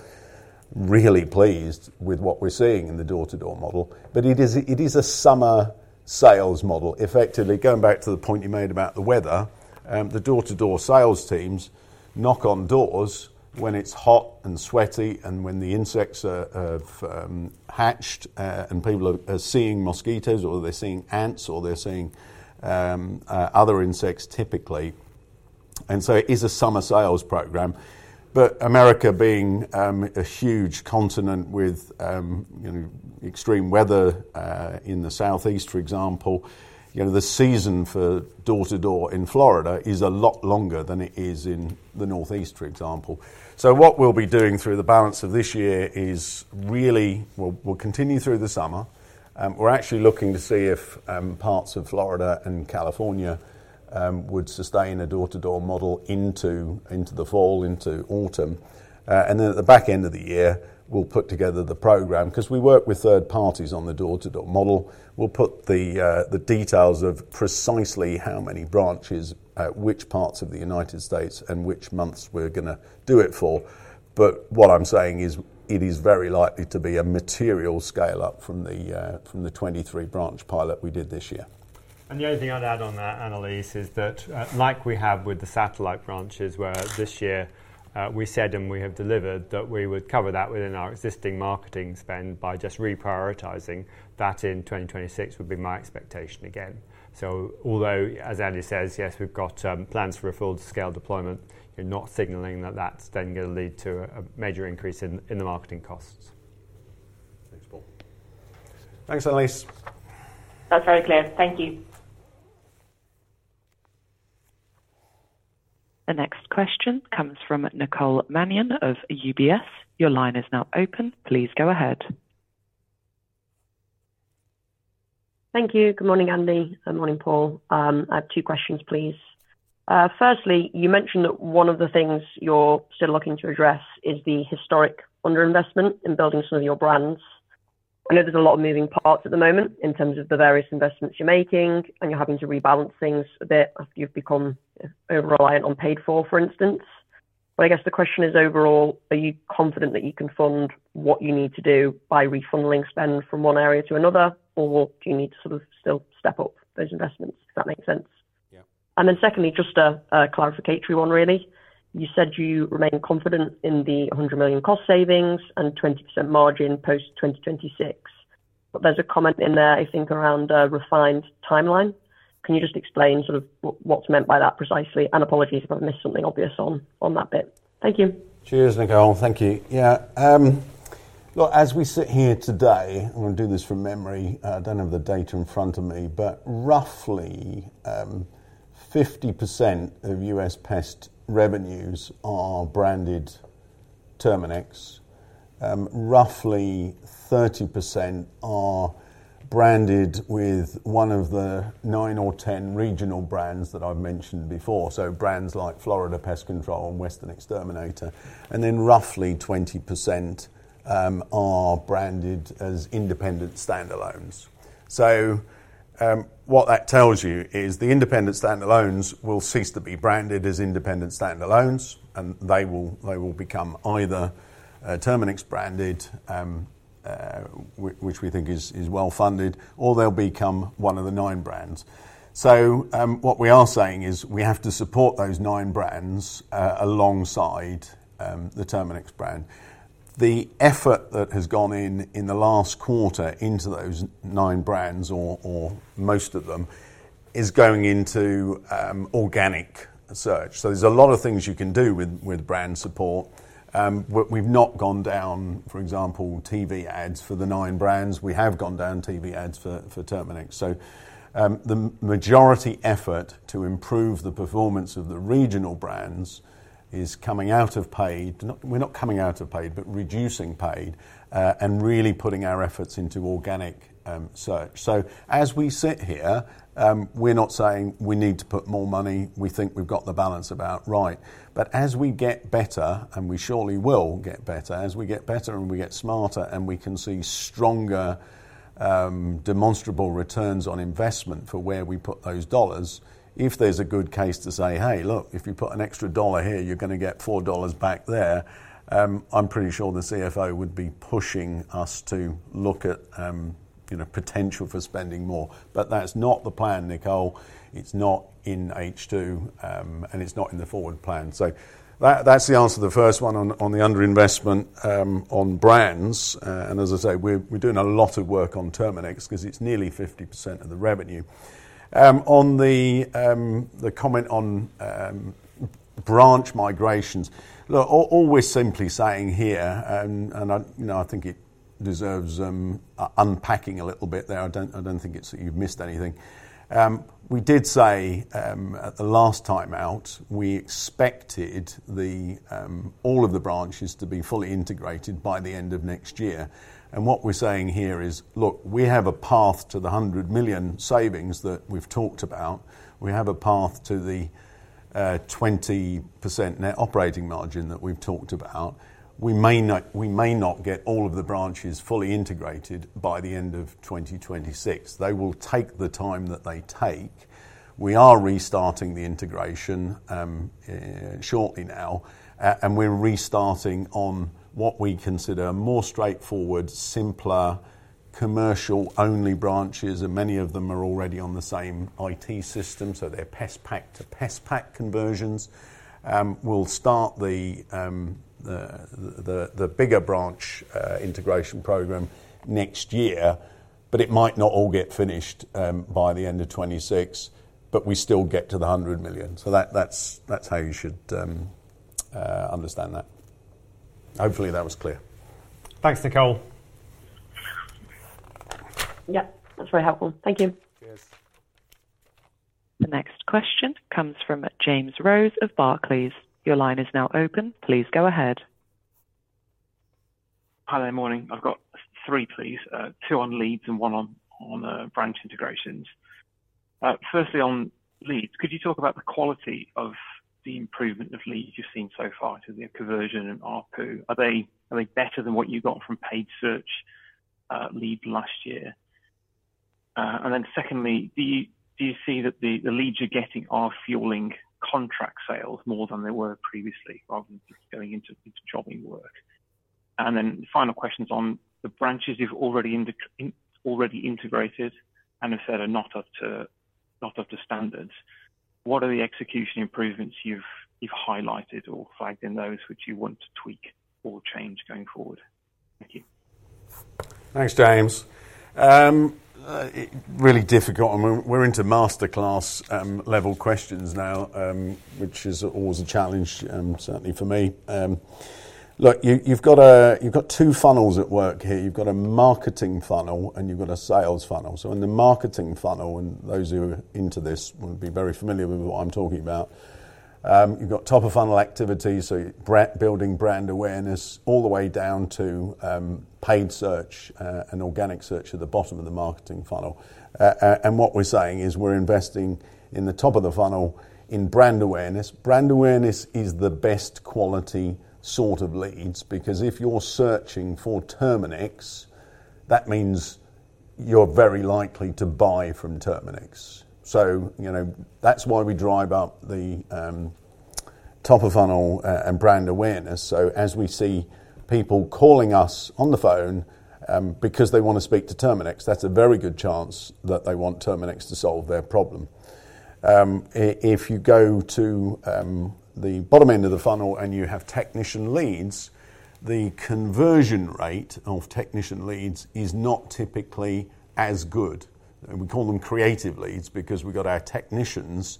really pleased with what we're seeing in the door-to-door model. It is a summer sales model. Effectively, going back to the point you made about the weather, the door-to-door sales teams knock on doors when it's hot and sweaty and when the insects have hatched and people are seeing mosquitoes or they're seeing ants or they're seeing other insects typically. It is a summer sales program. America, being a huge continent with extreme weather in the southeast, for example, the season for door-to-door in Florida is a lot longer than it is in the northeast, for example. Through the balance of this year, we'll continue through the summer. We're actually looking to see if parts of Florida and California would sustain a door-to-door model into the fall, into autumn. At the back end of the year, we'll put together the program. Because we work with third parties on the door-to-door model, we'll put the details of precisely how many branches, which parts of the United States, and which months we're going to do it for. It is very likely to be a material scale-up from the 23-branch pilot we did this year. The only thing I'd add on that, Annelies, is that like we have with the satellite branches where this year we said and we have delivered that we would cover that within our existing marketing spend by just reprioritizing, that in 2026 would be my expectation again. Although, as Andy says, yes, we've got plans for a full-scale deployment, you're not signaling that that's then going to lead to a major increase in the marketing costs. Thanks, Paul. Thanks, Annelies. That's very clear. Thank you. The next question comes from Nicole Manion of UBS. Your line is now open. Please go ahead. Thank you. Good morning, Andy. Good morning, Paul. I have two questions, please. Firstly, you mentioned that one of the things you're still looking to address is the historic underinvestment in building some of your brands. I know there's a lot of moving parts at the moment in terms of the various investments you're making, and you're having to rebalance things a bit after you've become over-reliant on paid-for, for instance. The question is overall, are you confident that you can fund what you need to do by refunding spend from one area to another, or do you need to sort of still step up those investments? Does that make sense? Yeah. Secondly, just a clarificatory one, really. You said you remain confident in the $100 million cost savings and 20% margin post-2026. There is a comment in there, I think, around a refined timeline. Can you explain what is meant by that precisely? Apologies if I've missed something obvious on that bit. Thank you. Cheers, Nicole. Thank you. Yeah. Look, as we sit here today, I'm going to do this from memory. I don't have the date in front of me, but roughly 50% of U.S. pest revenues are branded Terminix. Roughly 30% are branded with one of the nine or ten regional brands that I've mentioned before, so brands like Florida Pest Control and Western Exterminator. Then roughly 20% are branded as independent standalones. What that tells you is the independent standalones will cease to be branded as independent standalones, and they will become either Terminix-branded, which we think is well-funded, or they'll become one of the nine brands. What we are saying is we have to support those nine brands alongside the Terminix brand. The effort that has gone in the last quarter into those nine brands, or most of them, is going into organic search. There are a lot of things you can do with brand support. We've not gone down, for example, TV ads for the nine brands. We have gone down TV ads for Terminix. The majority effort to improve the performance of the regional brands is coming out of paid. We're not coming out of paid, but reducing paid and really putting our efforts into organic search. As we sit here, we're not saying we need to put more money. We think we've got the balance about right. As we get better, and we surely will get better, as we get better and we get smarter and we can see stronger demonstrable returns on investment for where we put those dollars, if there's a good case to say, "Hey, look, if you put an extra dollar here, you're going to get $4 back there," I'm pretty sure the CFO would be pushing us to look at potential for spending more. That's not the plan, Nicole. It's not in H2, and it's not in the forward plan. That's the answer to the first one on the underinvestment on brands. We're doing a lot of work on Terminix because it's nearly 50% of the revenue. On the comment on branch migrations, all we're simply saying here, and I think it deserves unpacking a little bit there. I don't think it's that you've missed anything. We did say. At the last time out, we expected all of the branches to be fully integrated by the end of next year. What we're saying here is, look, we have a path to the $100 million savings that we've talked about. We have a path to the 20% net operating margin that we've talked about. We may not get all of the branches fully integrated by the end of 2026. They will take the time that they take. We are restarting the integration shortly now, and we're restarting on what we consider more straightforward, simpler, commercial-only branches, and many of them are already on the same IT system, so they're pest pack to pest pack conversions. We'll start the bigger branch integration program next year, but it might not all get finished by the end of 2026, but we still get to the $100 million. That's how you should understand that. Hopefully, that was clear. Thanks, Nicole. Yep. That's very helpful. Thank you. Cheers. The next question comes from James Rose of Barclays. Your line is now open. Please go ahead. Hi, good morning. I've got three, please. Two on leads and one on branch integrations. Firstly, on leads, could you talk about the quality of the improvement of leads you've seen so far to the conversion and RPU? Are they better than what you got from paid search lead last year? Secondly, do you see that the leads you're getting are fueling contract sales more than they were previously, rather than just going into job work? Final question is on the branches you've already integrated and have said are not up to standards. What are the execution improvements you've highlighted or flagged in those which you want to tweak or change going forward? Thank you. Thanks, James. Really difficult. We're into masterclass-level questions now, which is always a challenge, certainly for me. You've got two funnels at work here. You've got a marketing funnel, and you've got a sales funnel. In the marketing funnel, and those who are into this will be very familiar with what I'm talking about, you've got top-of-funnel activity, so building brand awareness, all the way down to paid search and organic search at the bottom of the marketing funnel. What we're saying is we're investing in the top of the funnel in brand awareness. Brand awareness is the best quality sort of leads because if you're searching for Terminix, that means you're very likely to buy from Terminix. That's why we drive up the top-of-funnel and brand awareness. As we see people calling us on the phone because they want to speak to Terminix, there's a very good chance that they want Terminix to solve their problem. If you go to the bottom end of the funnel and you have technician leads, the conversion rate of technician leads is not typically as good. We call them creative leads because we've got our technicians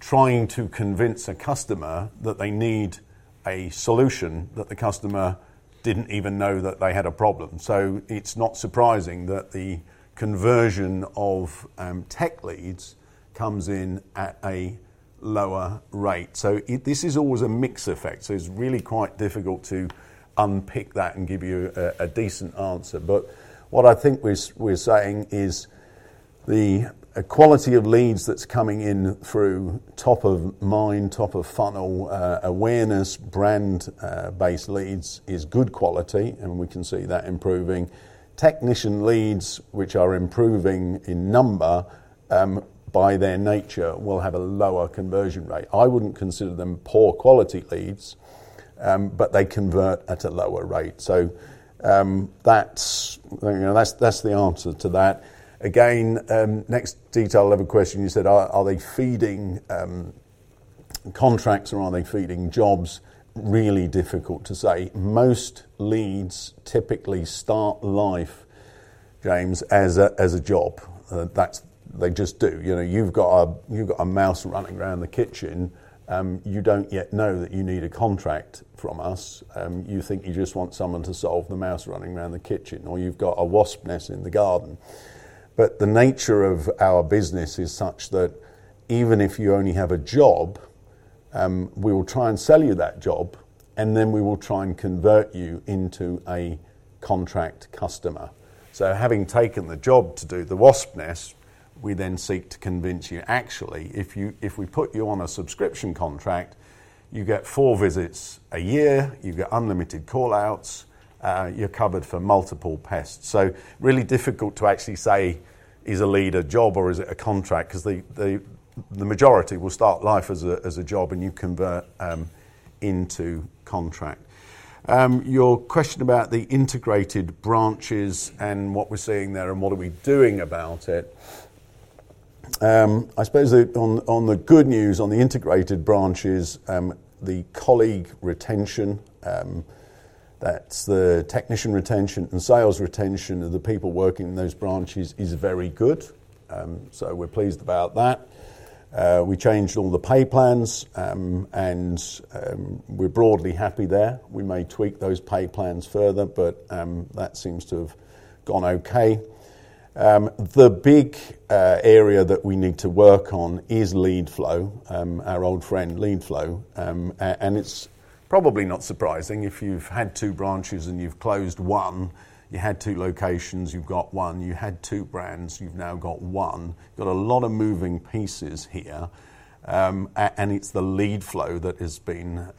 trying to convince a customer that they need a solution that the customer didn't even know that they had a problem. It's not surprising that the conversion of tech leads comes in at a lower rate. This is always a mixed effect. It's really quite difficult to unpick that and give you a decent answer. What I think we're saying is the quality of leads that's coming in through top-of-mind, top-of-funnel awareness, brand-based leads is good quality, and we can see that improving. Technician leads, which are improving in number, by their nature, will have a lower conversion rate. I wouldn't consider them poor-quality leads, but they convert at a lower rate. That's the answer to that. Next detail of a question, you said, are they feeding contracts or are they feeding jobs? Really difficult to say. Most leads typically start life, James, as a job. They just do. You've got a mouse running around the kitchen. You don't yet know that you need a contract from us. You think you just want someone to solve the mouse running around the kitchen, or you've got a wasp nest in the garden. The nature of our business is such that even if you only have a job, we will try and sell you that job, and then we will try and convert you into a contract customer. Having taken the job to do the wasp nest, we then seek to convince you, actually, if we put you on a subscription contract, you get four visits a year, you get unlimited callouts, you're covered for multiple pests. It's really difficult to actually say, is a lead a job or is it a contract? The majority will start life as a job and you convert into contract. Your question about the integrated branches and what we're seeing there and what are we doing about it. I suppose on the good news, on the integrated branches, the colleague retention, that's the technician retention and sales retention of the people working in those branches, is very good. We're pleased about that. We changed all the pay plans, and we're broadly happy there. We may tweak those pay plans further, but that seems to have gone okay. The big area that we need to work on is lead flow, our old friend lead flow. It's probably not surprising. If you've had two branches and you've closed one, you had two locations, you've got one, you had two brands, you've now got one. You've got a lot of moving pieces here. It's the lead flow that has been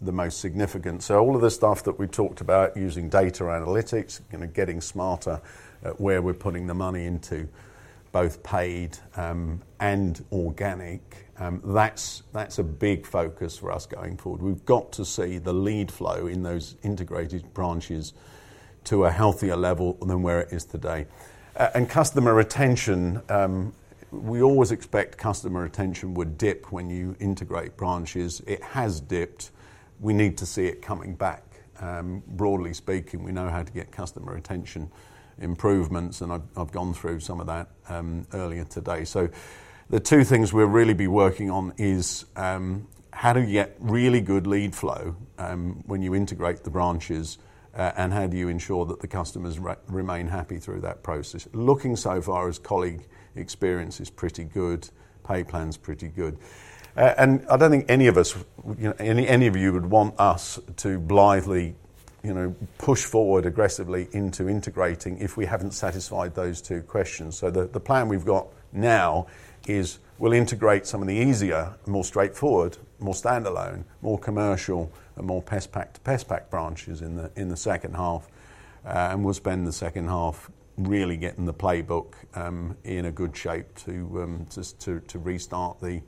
the most significant. All of the stuff that we talked about using data analytics, getting smarter at where we're putting the money into both paid and organic, that's a big focus for us going forward. We've got to see the lead flow in those integrated branches to a healthier level than where it is today. Customer retention, we always expect customer retention would dip when you integrate branches. It has dipped. We need to see it coming back. Broadly speaking, we know how to get customer retention improvements, and I've gone through some of that earlier today. The two things we'll really be working on are how do you get really good lead flow when you integrate the branches, and how do you ensure that the customers remain happy through that process? Looking so far, colleague experience is pretty good, pay plan's pretty good. I don't think any of us, any of you would want us to blithely push forward aggressively into integrating if we haven't satisfied those two questions. The plan we've got now is we'll integrate some of the easier, more straightforward, more standalone, more commercial, and more pest pack to pest pack branches in the second half. We'll spend the second half really getting the playbook in a good shape to restart the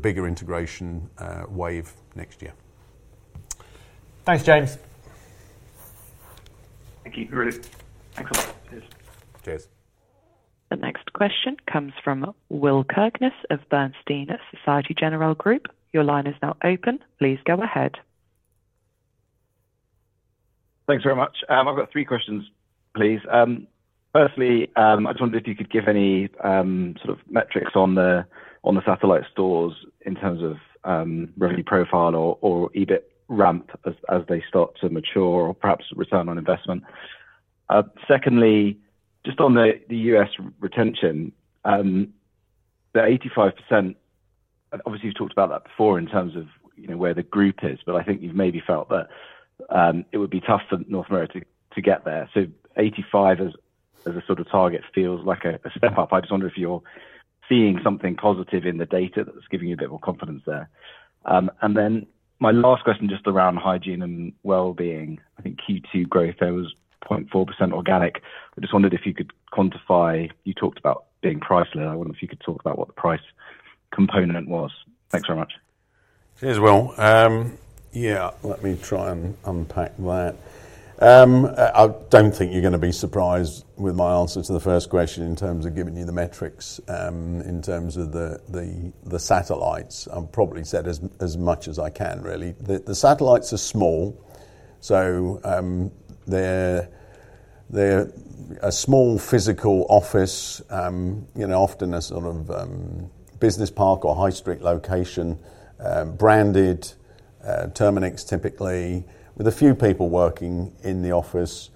bigger integration wave next year. Thanks, James. Thank you. Cheers. Cheers. The next question comes from Will Kirkness of Bernstein Société Générale Group. Your line is now open. Please go ahead. Thanks very much. I've got three questions, please. Firstly, I just wondered if you could give any sort of metrics on the satellite branches in terms of revenue profile or EBIT ramp as they start to mature or perhaps return on investment. Secondly, just on the U.S. retention 85%. Obviously, you've talked about that before in terms of where the group is, but I think you've maybe felt that it would be tough for North America to get there. 85 as a sort of target feels like a step up. I just wonder if you're seeing something positive in the data that's giving you a bit more confidence there. My last question just around hygiene and well-being. I think Q2 growth there was 0.4% organic. I just wondered if you could quantify—you talked about being price-led. I wonder if you could talk about what the price component was. Thanks very much. Yeah, let me try and unpack that. I don't think you're going to be surprised with my answer to the first question in terms of giving you the metrics in terms of the satellites. I'll probably say as much as I can, really. The satellites are small. They're a small physical office, often a sort of business park or high street location, branded. Terminix typically, with a few people working in the office.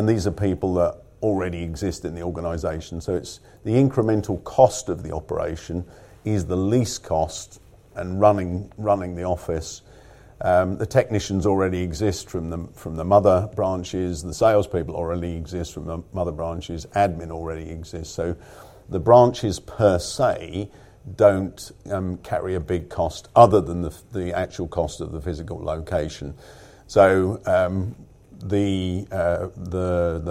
These are people that already exist in the organization, so the incremental cost of the operation is the least cost and running the office. The technicians already exist from the mother branches. The salespeople already exist from the mother branches. Admin already exists. The branches per se don't carry a big cost other than the actual cost of the physical location. The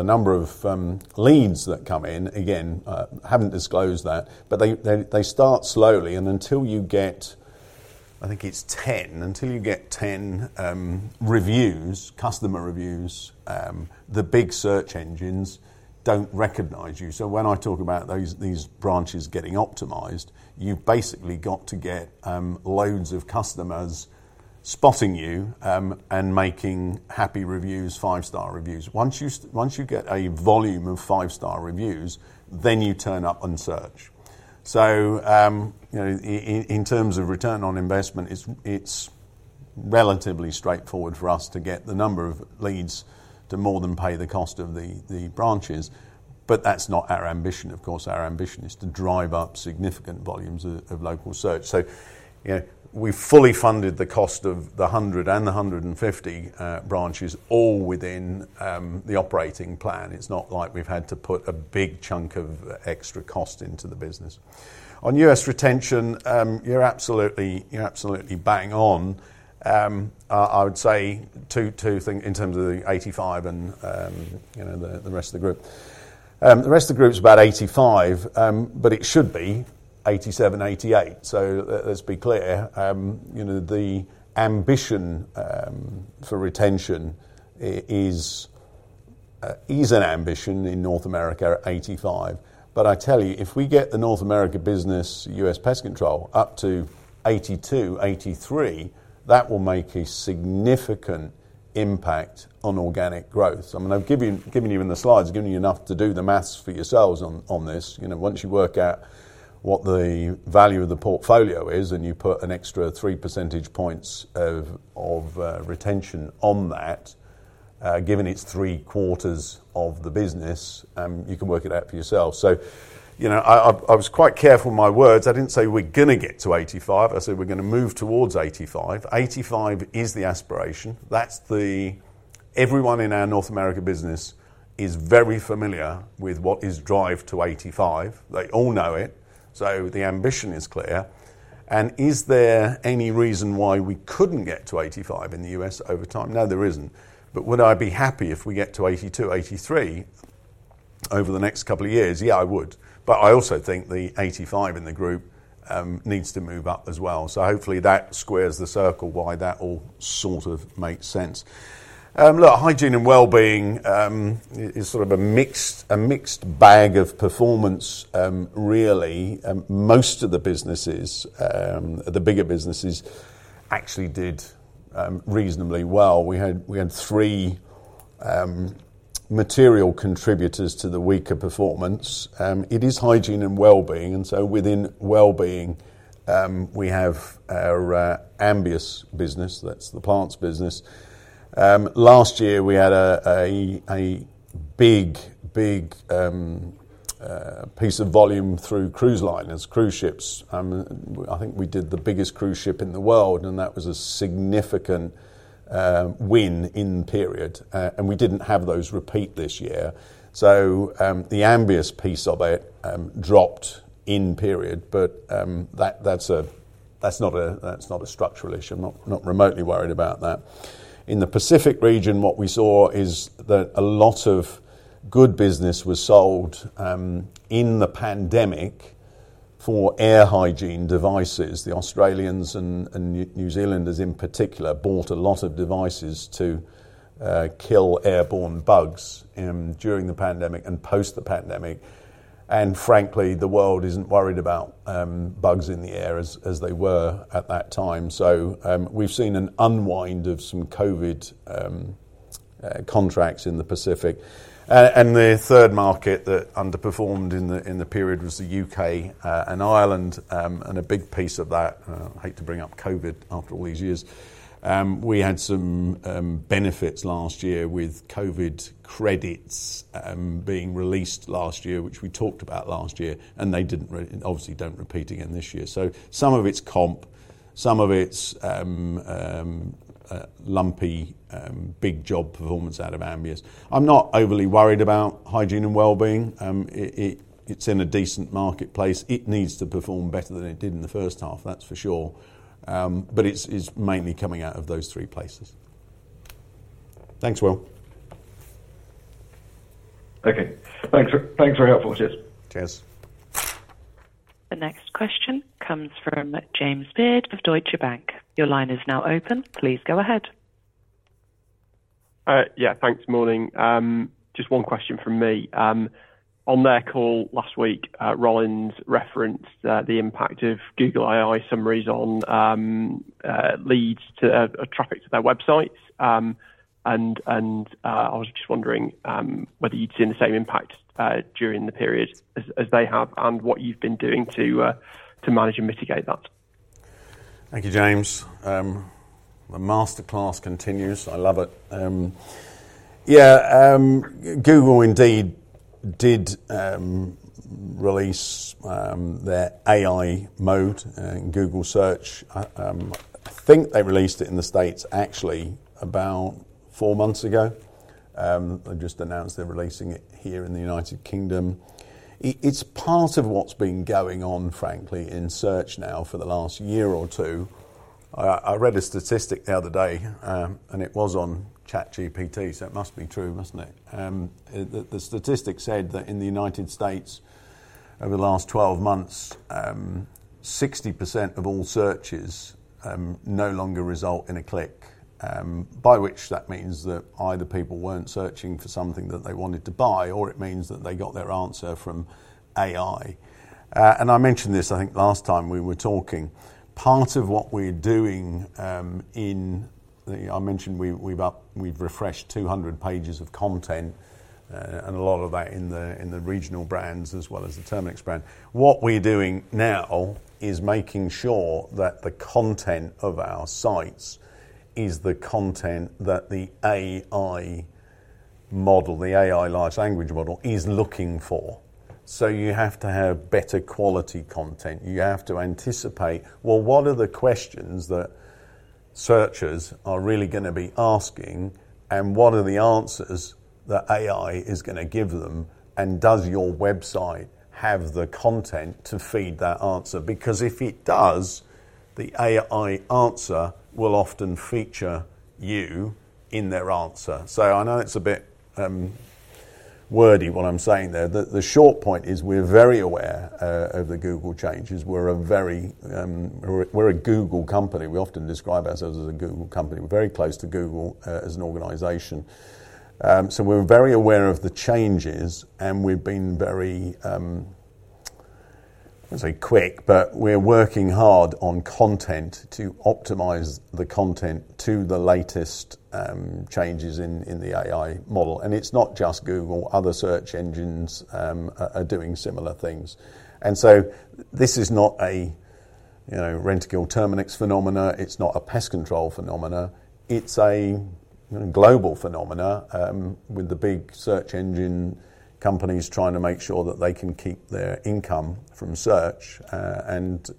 number of leads that come in, I haven't disclosed that, but they start slowly. Until you get, I think it's 10, until you get 10 reviews, customer reviews, the big search engines don't recognize you. When I talk about these branches getting optimized, you've basically got to get loads of customers spotting you and making happy reviews, five-star reviews. Once you get a volume of five-star reviews, then you turn up in search. In terms of return on investment, it's relatively straightforward for us to get the number of leads to more than pay the cost of the branches. That's not our ambition. Of course, our ambition is to drive up significant volumes of local search. We've fully funded the cost of the 100 and the 150 branches, all within the operating plan. It's not like we've had to put a big chunk of extra cost into the business. On U.S. retention, you're absolutely bang on. I would say in terms of the 85 and the rest of the group, the rest of the group is about 85, but it should be 87, 88. Let's be clear. The ambition for retention is an ambition in North America at 85. I tell you, if we get the North America business U.S. pest control up to 82, 83, that will make a significant impact on organic growth. I've given you in the slides, given you enough to do the math for yourselves on this. Once you work out what the value of the portfolio is and you put an extra 3 percentage points of retention on that, given it's three-quarters of the business, you can work it out for yourselves. I was quite careful with my words. I didn't say, "We're going to get to 85." I said, "We're going to move towards 85." 85 is the aspiration. Everyone in our North America business is very familiar with what is Drive to 85. They all know it. The ambition is clear. Is there any reason why we couldn't get to 85 in the U.S. over time? No, there isn't. Would I be happy if we get to 82, 83 over the next couple of years? Yeah, I would. I also think the 85 in the group needs to move up as well. Hopefully, that squares the circle why that all sort of makes sense. Look, hygiene and well-being is sort of a mixed bag of performance, really. Most of the businesses, the bigger businesses, actually did reasonably well. We had three material contributors to the weaker performance. It is hygiene and well-being. Within well-being, we have our Ambius business. That's the plants business. Last year, we had a big piece of volume through cruise liners, cruise ships. I think we did the biggest cruise ship in the world, and that was a significant win in period. We didn't have those repeat this year. The Ambius piece of it dropped in period, but that's not a structural issue. I'm not remotely worried about that. In the Pacific region, what we saw is that a lot of good business was sold in the pandemic for air hygiene devices. The Australians and New Zealanders in particular bought a lot of devices to kill airborne bugs during the pandemic and post the pandemic. Frankly, the world isn't worried about bugs in the air as they were at that time. We've seen an unwind of some COVID contracts in the Pacific. The third market that underperformed in the period was the U.K. and Ireland. A big piece of that—I hate to bring up COVID after all these years—we had some benefits last year with COVID credits being released last year, which we talked about last year, and they obviously don't repeat again this year. Some of it's comp. Some of it's lumpy big job performance out of Ambius. I'm not overly worried about hygiene and hell-being. It's in a decent marketplace. It needs to perform better than it did in the first half, that's for sure. It's mainly coming out of those three places. Thanks, Will. Okay, thanks for your helpfulness. Cheers. Cheers. The next question comes from James Beard of Deutsche Bank. Your line is now open. Please go ahead. Yeah. Thanks, morning. Just one question from me. On their call last week, Rollins referenced the impact of Google AI summaries on leads to traffic to their websites. I was just wondering whether you'd seen the same impact during the period as they have and what you've been doing to manage and mitigate that. Thank you, James. The masterclass continues. I love it. Yeah. Google indeed did release their AI mode in Google Search. I think they released it in the U.S., actually, about four months ago. They just announced they're releasing it here in the United Kingdom. It's part of what's been going on, frankly, in search now for the last year or two. I read a statistic the other day, and it was on ChatGPT, so it must be true, mustn't it? The statistic said that in the U.S., over the last 12 months, 60% of all searches no longer result in a click. By which that means that either people weren't searching for something that they wanted to buy, or it means that they got their answer from AI. I mentioned this, I think, last time we were talking. Part of what we're doing, I mentioned we've refreshed 200 pages of content, and a lot of that in the regional brands as well as the Terminix brand. What we're doing now is making sure that the content of our sites is the content that the AI model, the AI large language model, is looking for. You have to have better quality content. You have to anticipate, well, what are the questions that searchers are really going to be asking, and what are the answers that AI is going to give them? Does your website have the content to feed that answer? If it does, the AI answer will often feature you in their answer. I know it's a bit wordy what I'm saying there. The short point is we're very aware of the Google changes. We're a very Google company. We often describe ourselves as a Google company. We're very close to Google as an organization. We're very aware of the changes, and we've been very quick, but we're working hard on content to optimize the content to the latest changes in the AI model. It's not just Google. Other search engines are doing similar things. This is not a Rentokil Initial-Terminix phenomena. It's not a pest control phenomena. It's a global phenomena with the big search engine companies trying to make sure that they can keep their income from search.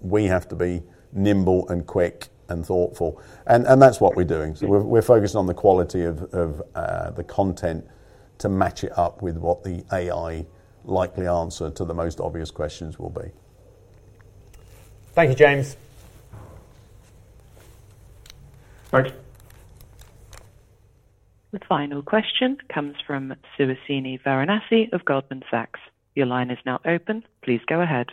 We have to be nimble and quick and thoughtful. That's what we're doing. We're focused on the quality of the content to match it up with what the AI likely answer to the most obvious questions will be. Thank you, James. Thanks. The final question comes from Suhasini Varanasi of Goldman Sachs. Your line is now open. Please go ahead.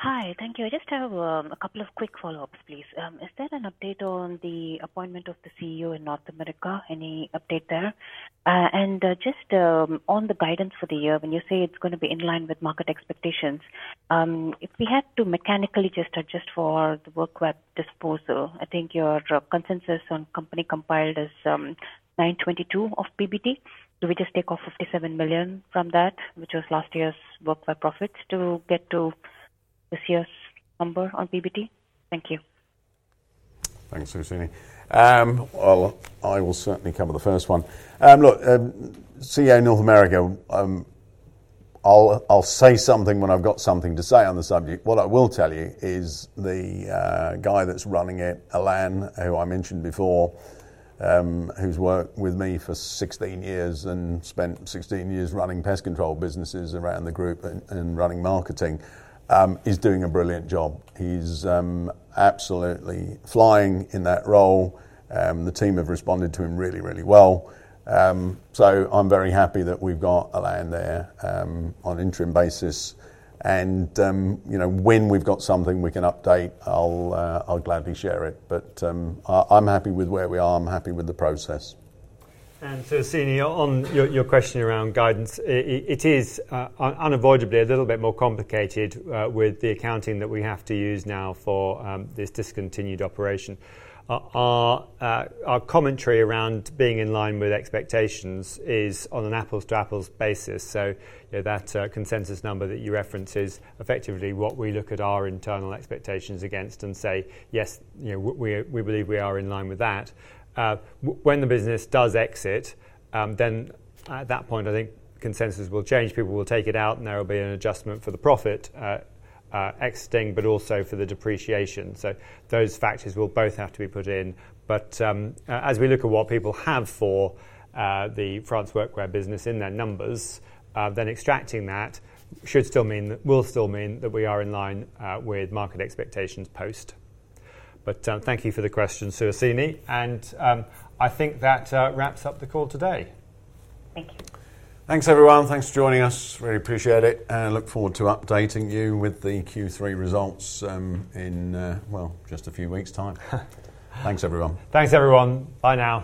Hi. Thank you. I just have a couple of quick follow-ups, please. Is there an update on the appointment of the CEO in North America? Any update there? On the guidance for the year, when you say it's going to be in line with market expectations, if we had to mechanically just adjust for the Workwear disposal, I think your consensus on company compiled is 922 million of PBT. Do we just take off 57 million from that, which was last year's Workwear profits, to get to this year's number on PBT? Thank you. Thanks, Suhasini. I will certainly cover the first one. Look. CEO North America. I'll say something when I've got something to say on the subject. What I will tell you is the guy that's running it, Alain, who I mentioned before, who's worked with me for 16 years and spent 16 years running pest control businesses around the group and running marketing, is doing a brilliant job. He's absolutely flying in that role. The team have responded to him really, really well. I'm very happy that we've got Alain there on an interim basis. When we've got something we can update, I'll gladly share it. I'm happy with where we are. I'm happy with the process. Suhasini, on your question around guidance, it is unavoidably a little bit more complicated with the accounting that we have to use now for this discontinued operation. Our commentary around being in line with expectations is on an apples-to-apples basis. That consensus number that you reference is effectively what we look at our internal expectations against and say, "Yes, we believe we are in line with that." When the business does exit, at that point, I think consensus will change. People will take it out, and there will be an adjustment for the profit exiting, but also for the depreciation. Those factors will both have to be put in. As we look at what people have for the France Workwear business in their numbers, extracting that will still mean that we are in line with market expectations post. Thank you for the question, Suhasini. I think that wraps up the call today. Thank you. Thanks, everyone. Thanks for joining us. Really appreciate it. I look forward to updating you with the Q3 results in just a few weeks' time. Thanks, everyone. Thanks, everyone. Bye now.